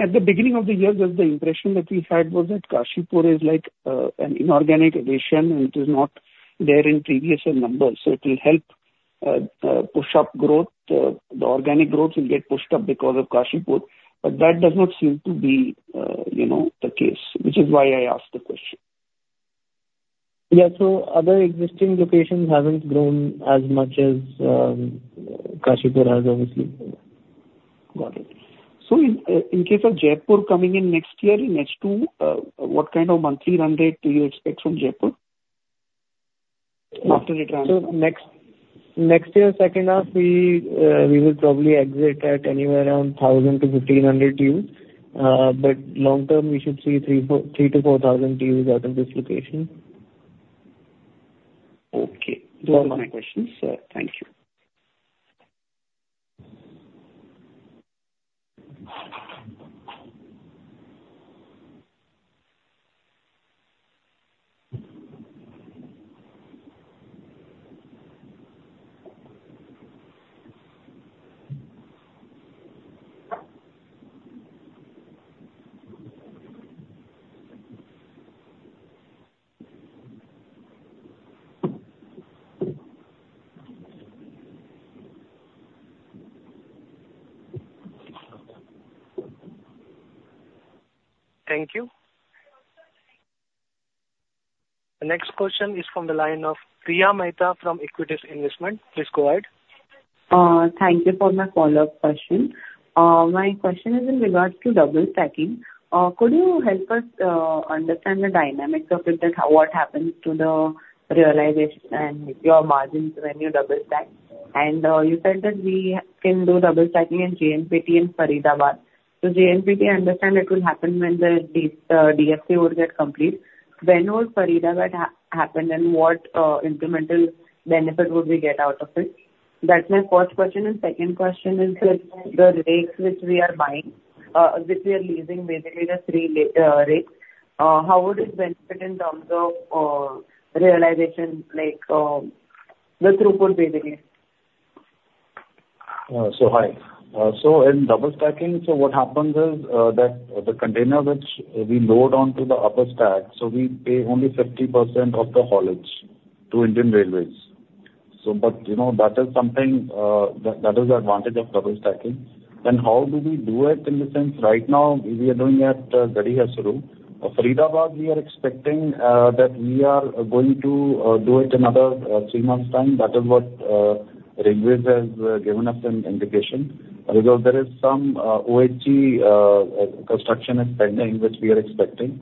Speaker 17: At the beginning of the year, the impression that we had was that Kashipur is like an inorganic addition, and it is not there in previous year numbers. It will help push up growth. The organic growth will get pushed up because of Kashipur, that does not seem to be the case, which is why I asked the question.
Speaker 7: Yeah. Other existing locations haven't grown as much as Kashipur has, obviously.
Speaker 17: Got it. In case of Jaipur coming in next year, in H2, what kind of monthly run rate do you expect from Jaipur after it runs?
Speaker 7: Next year, second half, we will probably exit at anywhere around 1,000 to 1,500 TEUs. Long term, we should see 3,000 to 4,000 TEUs out of this location.
Speaker 17: Okay. Those are my questions, sir. Thank you.
Speaker 1: Thank you. The next question is from the line of Priya Mehta from Equitas Investment. Please go ahead.
Speaker 14: Thank you for my follow-up question. My question is in regards to double stacking. Could you help us understand the dynamics of it, that what happens to the realization and your margins when you double stack? You said that we can do double stacking in JNPT and Faridabad. JNPT, I understand it will happen when the DFC will get complete. When will Faridabad happen, and what incremental benefit would we get out of it? That's my first question, second question is the rakes which we are buying, which we are leasing, basically the three rakes. How would it benefit in terms of realization with Rupal basically?
Speaker 9: Hi. In double stacking, what happens is that the container which we load onto the upper stack, we pay only 50% of the haulage to Indian Railways. That is the advantage of double stacking. How do we do it? In the sense, right now, we are doing it at Garhi Harsaru. Faridabad, we are expecting that we are going to do it another 3 months' time. That is what Railways has given us an indication because there is some OHE construction is pending, which we are expecting.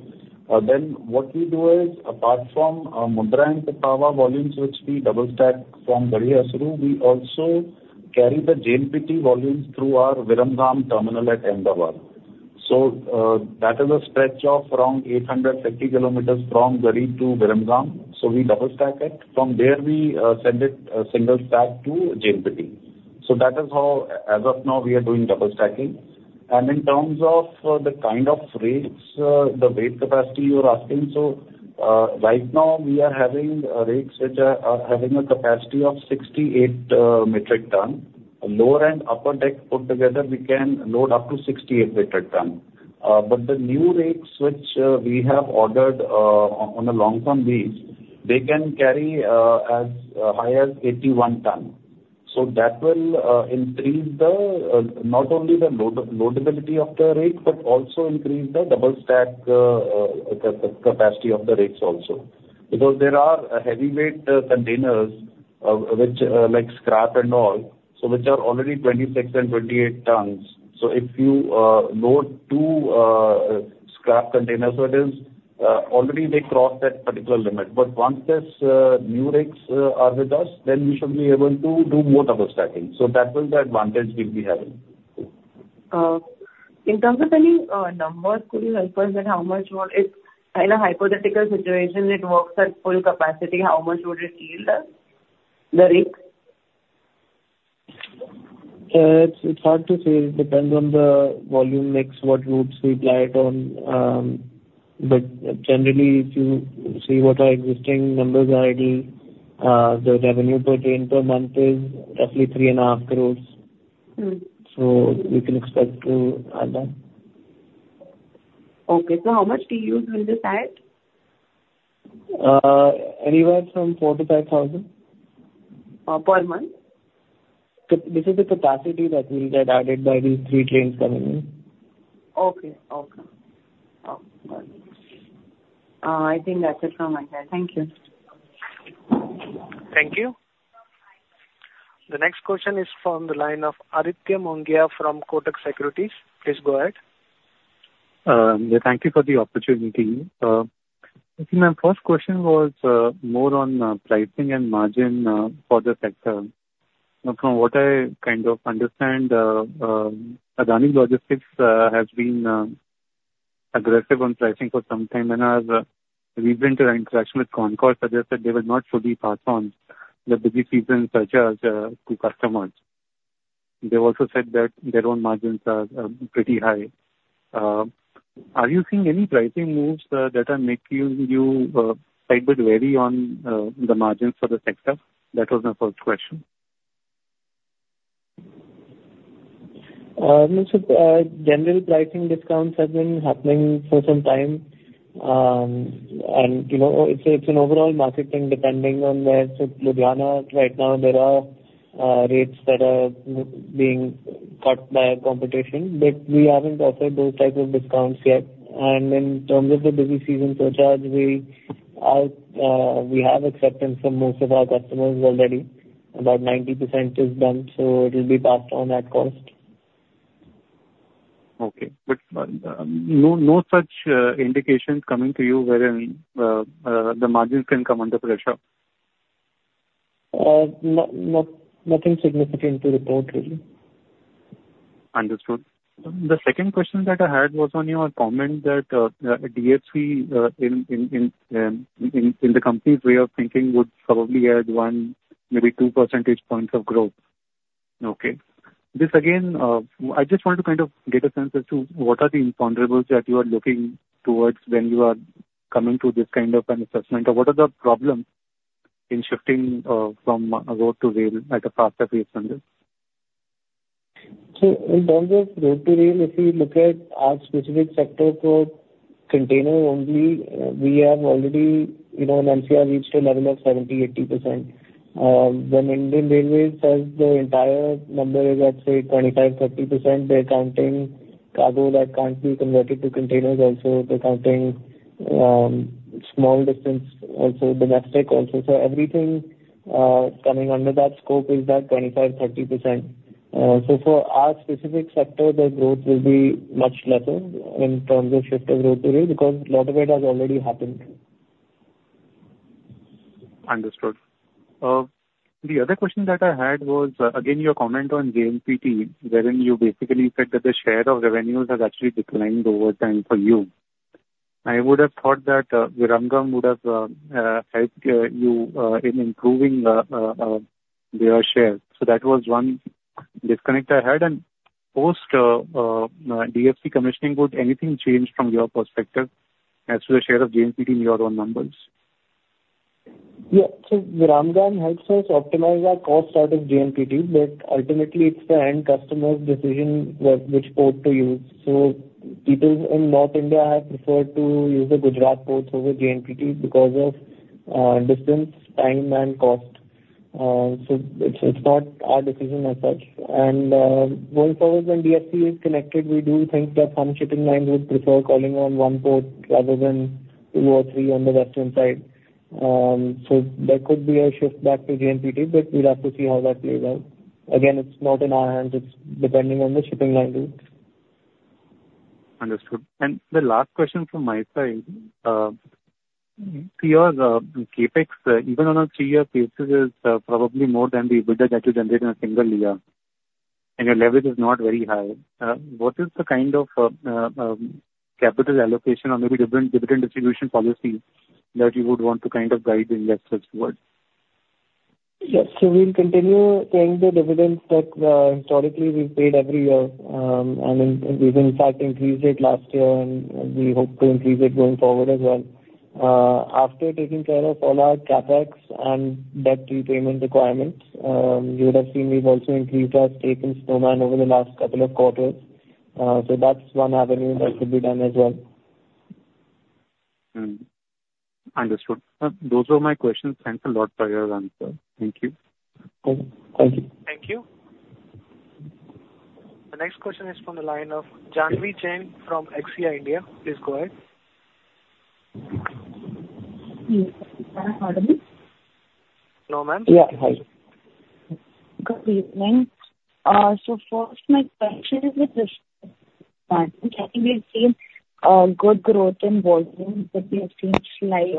Speaker 9: What we do is, apart from Mundra and Pipavav volumes, which we double stack from Garhi Harsaru, we also carry the JNPT volumes through our Viramgam terminal at Ahmedabad. That is a stretch of around 850 kilometers from Garhi to Viramgam. We double stack it. From there, we send it a single stack to JNPT. That is how, as of now, we are doing double stacking. In terms of the kind of rakes, the weight capacity you are asking. Right now we are having rakes which are having a capacity of 68 metric ton. Lower and upper deck put together, we can load up to 68 metric ton. The new rakes which we have ordered on a long-term lease, they can carry as high as 81 ton. That will increase not only the loadability of the rake, but also increase the double stack capacity of the rakes also. Because there are heavyweight containers, like scrap and all, which are already 26 and 28 tons. If you load 2 scrap containers, already they cross that particular limit. Once these new rakes are with us, we should be able to do more double stacking. That is the advantage we'll be having.
Speaker 14: In terms of any numbers, could you help us with in a hypothetical situation, it works at full capacity, how much would it yield, the rake?
Speaker 7: It's hard to say. It depends on the volume mix, what routes we apply it on. Generally, if you see what our existing numbers are, the revenue per train per month is roughly 3.5 crores. We can expect to add that.
Speaker 14: Okay. How much TEUs will this add?
Speaker 7: Anywhere from 4,000 to 5,000.
Speaker 14: Per month?
Speaker 7: This is the capacity that will get added by these three trains coming in.
Speaker 14: Okay. Got it. I think that's it from my side. Thank you.
Speaker 1: Thank you. The next question is from the line of Aditya Mongia from Kotak Securities. Please go ahead.
Speaker 19: Thank you for the opportunity. My first question was more on pricing and margin for the sector. From what I kind of understand, Adani Logistics has been aggressive on pricing for some time and as we've been in interaction with CONCOR, suggested they will not fully pass on the busy season surcharge to customers. They've also said that their own margins are pretty high. Are you seeing any pricing moves that are making you a bit wary on the margins for the sector? That was my first question.
Speaker 7: General pricing discounts has been happening for some time. It's an overall market thing depending on where. Ludhiana right now, there are rates that are being cut by our competition, but we haven't offered those type of discounts yet. In terms of the busy season surcharge, we have acceptance from most of our customers already. About 90% is done, so it will be passed on at cost.
Speaker 19: Okay. No such indications coming to you wherein the margins can come under pressure?
Speaker 7: Nothing significant to report, really.
Speaker 19: Understood. The second question that I had was on your comment that DFC in the company's way of thinking, would probably add one, maybe two percentage points of growth. Okay. This again, I just wanted to kind of get a sense as to what are the imponderables that you are looking towards when you are coming to this kind of an assessment, or what are the problems in shifting from road to rail at a faster pace than this?
Speaker 7: In terms of road to rail, if you look at our specific sector for container only, we have already in NCR reached a level of 70%-80%. When Indian Railways says the entire number is at, say, 25%-30%, they're counting cargo that can't be converted to containers also. They're counting small distance, also domestic also. Everything coming under that scope is that 25%-30%. For our specific sector, the growth will be much lesser in terms of shift of road to rail because a lot of it has already happened.
Speaker 19: Understood. The other question that I had was, again, your comment on JNPT, wherein you basically said that the share of revenues has actually declined over time for you. I would have thought that Viramgam would have helped you in improving your share. That was one disconnect I had. Post DFC commissioning, would anything change from your perspective as to the share of JNPT in your own numbers?
Speaker 7: Yeah. Viramgam helps us optimize our cost out of JNPT, but ultimately it's the end customer's decision which port to use. Peoples in North India have preferred to use the Gujarat ports over JNPT because of distance, time, and cost. It's not our decision as such. Going forward, when DFC is connected, we do think that some shipping lines would prefer calling on one port rather than two or three on the western side. There could be a shift back to JNPT, but we'll have to see how that plays out. Again, it's not in our hands. It's depending on the shipping line routes.
Speaker 19: Understood. The last question from my side. Your CAPEX, even on a three-year basis, is probably more than the EBITDA that you generate in a single year, and your leverage is not very high. What is the kind of capital allocation or maybe dividend distribution policy that you would want to kind of guide the investors towards?
Speaker 7: Yes. We'll continue paying the dividends that historically we've paid every year. We've in fact increased it last year, and we hope to increase it going forward as well. After taking care of all our CapEx and debt repayment requirements, you would have seen we've also increased our stake in Snowman over the last couple of quarters. That's one avenue that could be done as well.
Speaker 19: Understood. Those were my questions. Thanks a lot for your answers. Thank you.
Speaker 7: Okay. Thank you.
Speaker 1: Thank you. The next question is from the line of Jahnavi Shah from XIA India. Please go ahead.
Speaker 2: Yes. Can you hear me?
Speaker 19: No, ma'am. Yeah. Hi.
Speaker 2: Good evening. First, my question is with respect to we've seen good growth in volume, but we have seen slight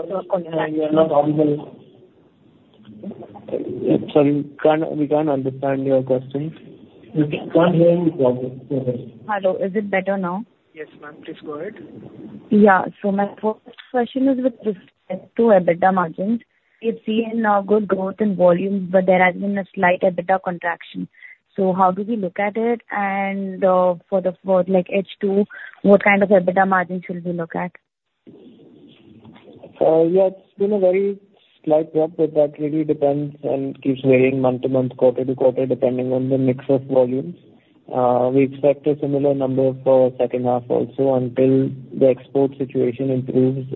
Speaker 7: Sorry, we can't understand your question.
Speaker 19: We can't hear you properly.
Speaker 2: Hello. Is it better now?
Speaker 1: Yes, ma'am. Please go ahead.
Speaker 2: My first question is with respect to EBITDA margins. We've seen good growth in volume, but there has been a slight EBITDA contraction. How do we look at it? For the forward, like H2, what kind of EBITDA margins should we look at?
Speaker 7: It's been a very slight drop, but that really depends and keeps varying month to month, quarter to quarter, depending on the mix of volumes. We expect a similar number for second half also. Until the export situation improves,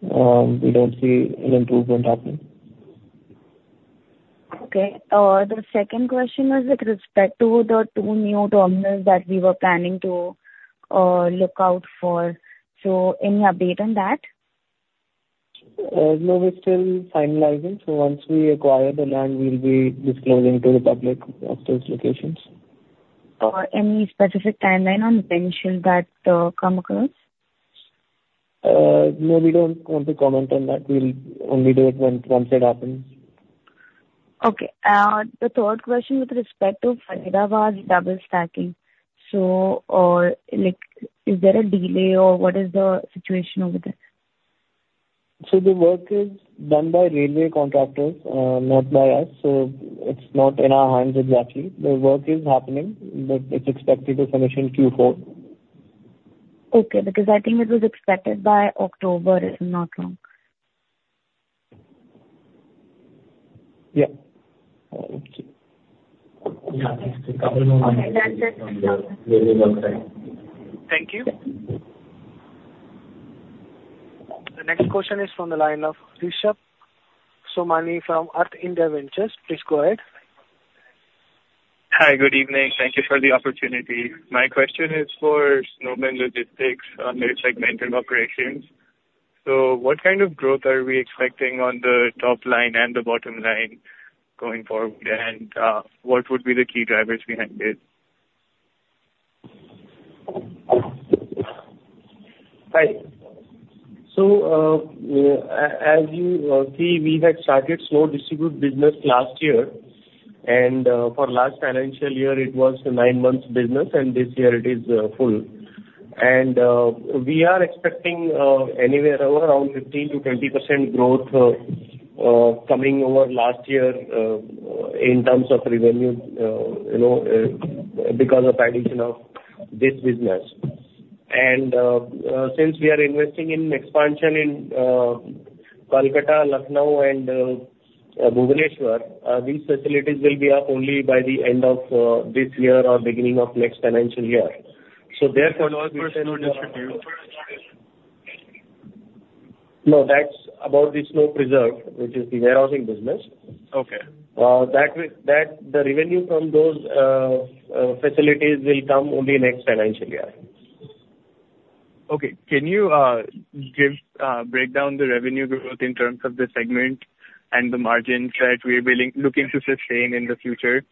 Speaker 7: we don't see an improvement happening.
Speaker 2: The second question was with respect to the two new terminals that we were planning to look out for. Any update on that?
Speaker 7: We're still finalizing. Once we acquire the land, we'll be disclosing to the public of those locations.
Speaker 2: Any specific timeline on when shall that come across?
Speaker 7: No, we don't want to comment on that. We'll only do it once it happens.
Speaker 2: Okay. The third question with respect to Faridabad double stacking. Is there a delay or what is the situation over there?
Speaker 7: The work is done by railway contractors, not by us, so it's not in our hands exactly. The work is happening, but it's expected to finish in Q4.
Speaker 2: Okay, I think it was expected by October, if I'm not wrong.
Speaker 7: Yeah. Yeah. It's dependent on the railway work.
Speaker 2: Okay. That's it. Thank you.
Speaker 1: Thank you. The next question is from the line of Rishabh Somani from Arth India Ventures. Please go ahead.
Speaker 20: Hi. Good evening. Thank you for the opportunity. My question is for Snowman Logistics operations. What kind of growth are we expecting on the top line and the bottom line going forward, and what would be the key drivers behind it?
Speaker 4: Hi. As you see, we had started SnowDistribute business last year, and for last financial year, it was a nine-month business, and this year it is full. We are expecting anywhere around 15%-20% growth coming over last year in terms of revenue because of addition of this business. Since we are investing in expansion in Kolkata, Lucknow and Bhubaneswar, these facilities will be up only by the end of this year or beginning of next financial year.
Speaker 20: For SnowDistribute?
Speaker 4: No, that's about the SnowPreserve, which is the warehousing business.
Speaker 20: Okay.
Speaker 4: The revenue from those facilities will come only next financial year.
Speaker 20: Okay. Can you break down the revenue growth in terms of the segment and the margins that we're looking to sustain in the future?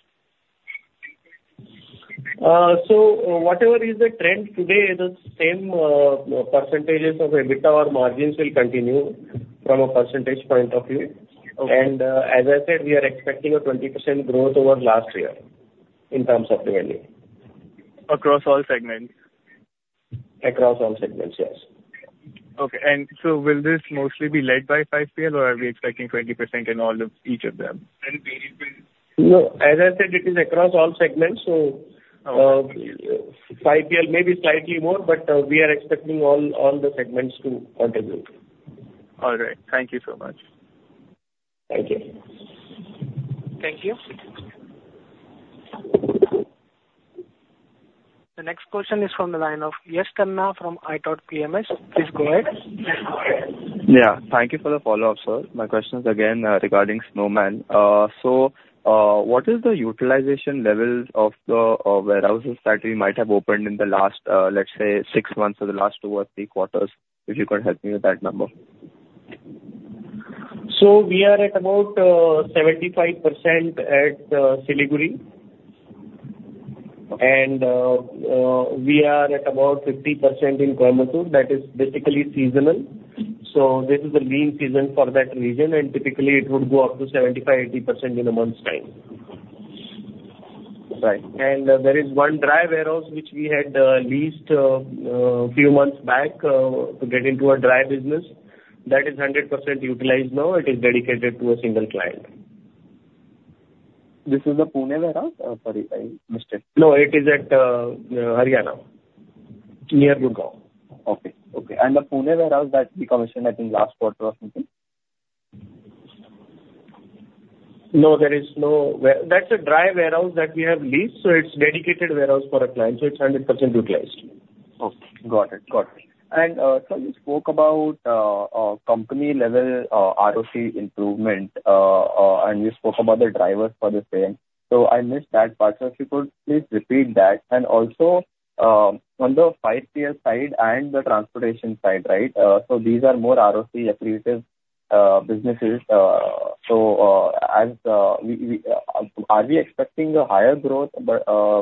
Speaker 4: Whatever is the trend today, the same percentages of EBITDA margins will continue from a percentage point of view. Okay. As I said, we are expecting a 20% growth over last year in terms of revenue.
Speaker 20: Across all segments?
Speaker 4: Across all segments, yes.
Speaker 20: Will this mostly be led by 5PL or are we expecting 20% in each of them?
Speaker 4: No, as I said, it is across all segments, so 5PL may be slightly more, but we are expecting all the segments to contribute.
Speaker 20: All right. Thank you so much.
Speaker 4: Thank you.
Speaker 1: Thank you. The next question is from the line of Yash Tanna from iThought PMS. Please go ahead.
Speaker 3: Yeah, thank you for the follow-up, sir. My question is again regarding Snowman. What is the utilization levels of the warehouses that you might have opened in the last, let's say, six months or the last two or three quarters? If you could help me with that number.
Speaker 4: We are at about 75% at Siliguri, and we are at about 50% in Coimbatore. That is basically seasonal. This is the lean season for that region, and typically it would go up to 75%-80% in a month's time. Right. There is one dry warehouse which we had leased a few months back to get into a dry business, that is 100% utilized now. It is dedicated to a single client.
Speaker 3: This is the Pune warehouse? Sorry, I missed it.
Speaker 4: No, it is at Haryana. Near Gurgaon.
Speaker 3: Okay. The Pune warehouse that we commissioned, I think, last quarter or something?
Speaker 4: No, that's a dry warehouse that we have leased. It's dedicated warehouse for a client, so it's 100% utilized.
Speaker 3: Okay, got it. Sir, you spoke about company level ROCE improvement, and you spoke about the drivers for the same. I missed that part. If you could please repeat that, and also, on the 5PL side and the transportation side, these are more ROCE accretive businesses. Are we expecting a higher growth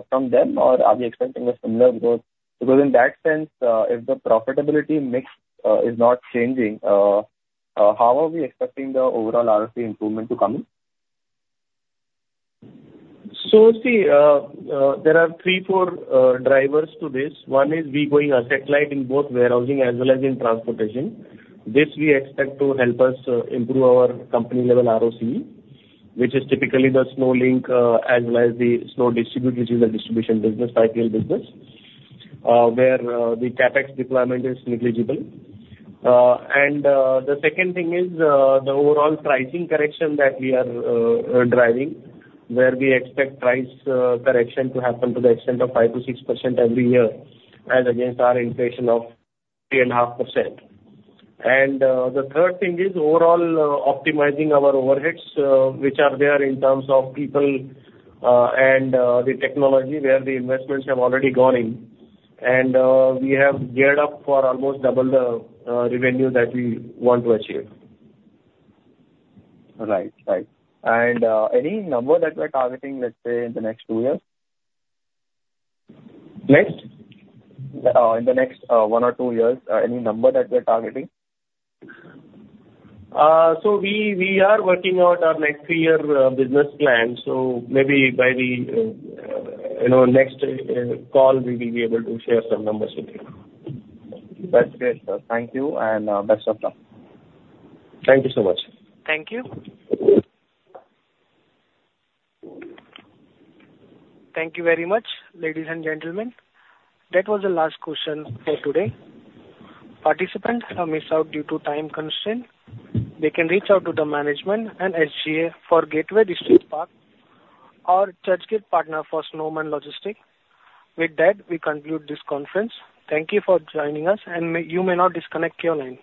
Speaker 3: from them, or are we expecting a similar growth? Because in that sense, if the profitability mix is not changing, how are we expecting the overall ROCE improvement to come in?
Speaker 4: See, there are three, four drivers to this. One is we going asset-light in both warehousing as well as in transportation. This we expect to help us improve our company level ROC, which is typically the SnowLink, as well as the SnowDistribute, which is a distribution business, 5PL business, where the CapEx deployment is negligible. The second thing is, the overall pricing correction that we are driving, where we expect price correction to happen to the extent of 5%-6% every year, as against our inflation of 3.5%. The third thing is overall optimizing our overheads, which are there in terms of people, and the technology where the investments have already gone in. We have geared up for almost double the revenue that we want to achieve.
Speaker 3: Right. Any number that we're targeting, let's say in the next two years?
Speaker 4: Next?
Speaker 3: In the next one or two years, any number that we're targeting?
Speaker 4: We are working out our next three-year business plan. Maybe by the next call, we will be able to share some numbers with you.
Speaker 3: That's great, sir. Thank you and best of luck.
Speaker 4: Thank you so much.
Speaker 1: Thank you. Thank you very much, ladies and gentlemen. That was the last question for today. Participants who miss out due to time constraint, they can reach out to the management and SGA for Gateway Distriparks or Churchgate Partners for Snowman Logistics. With that, we conclude this conference. Thank you for joining us, and you may now disconnect your line.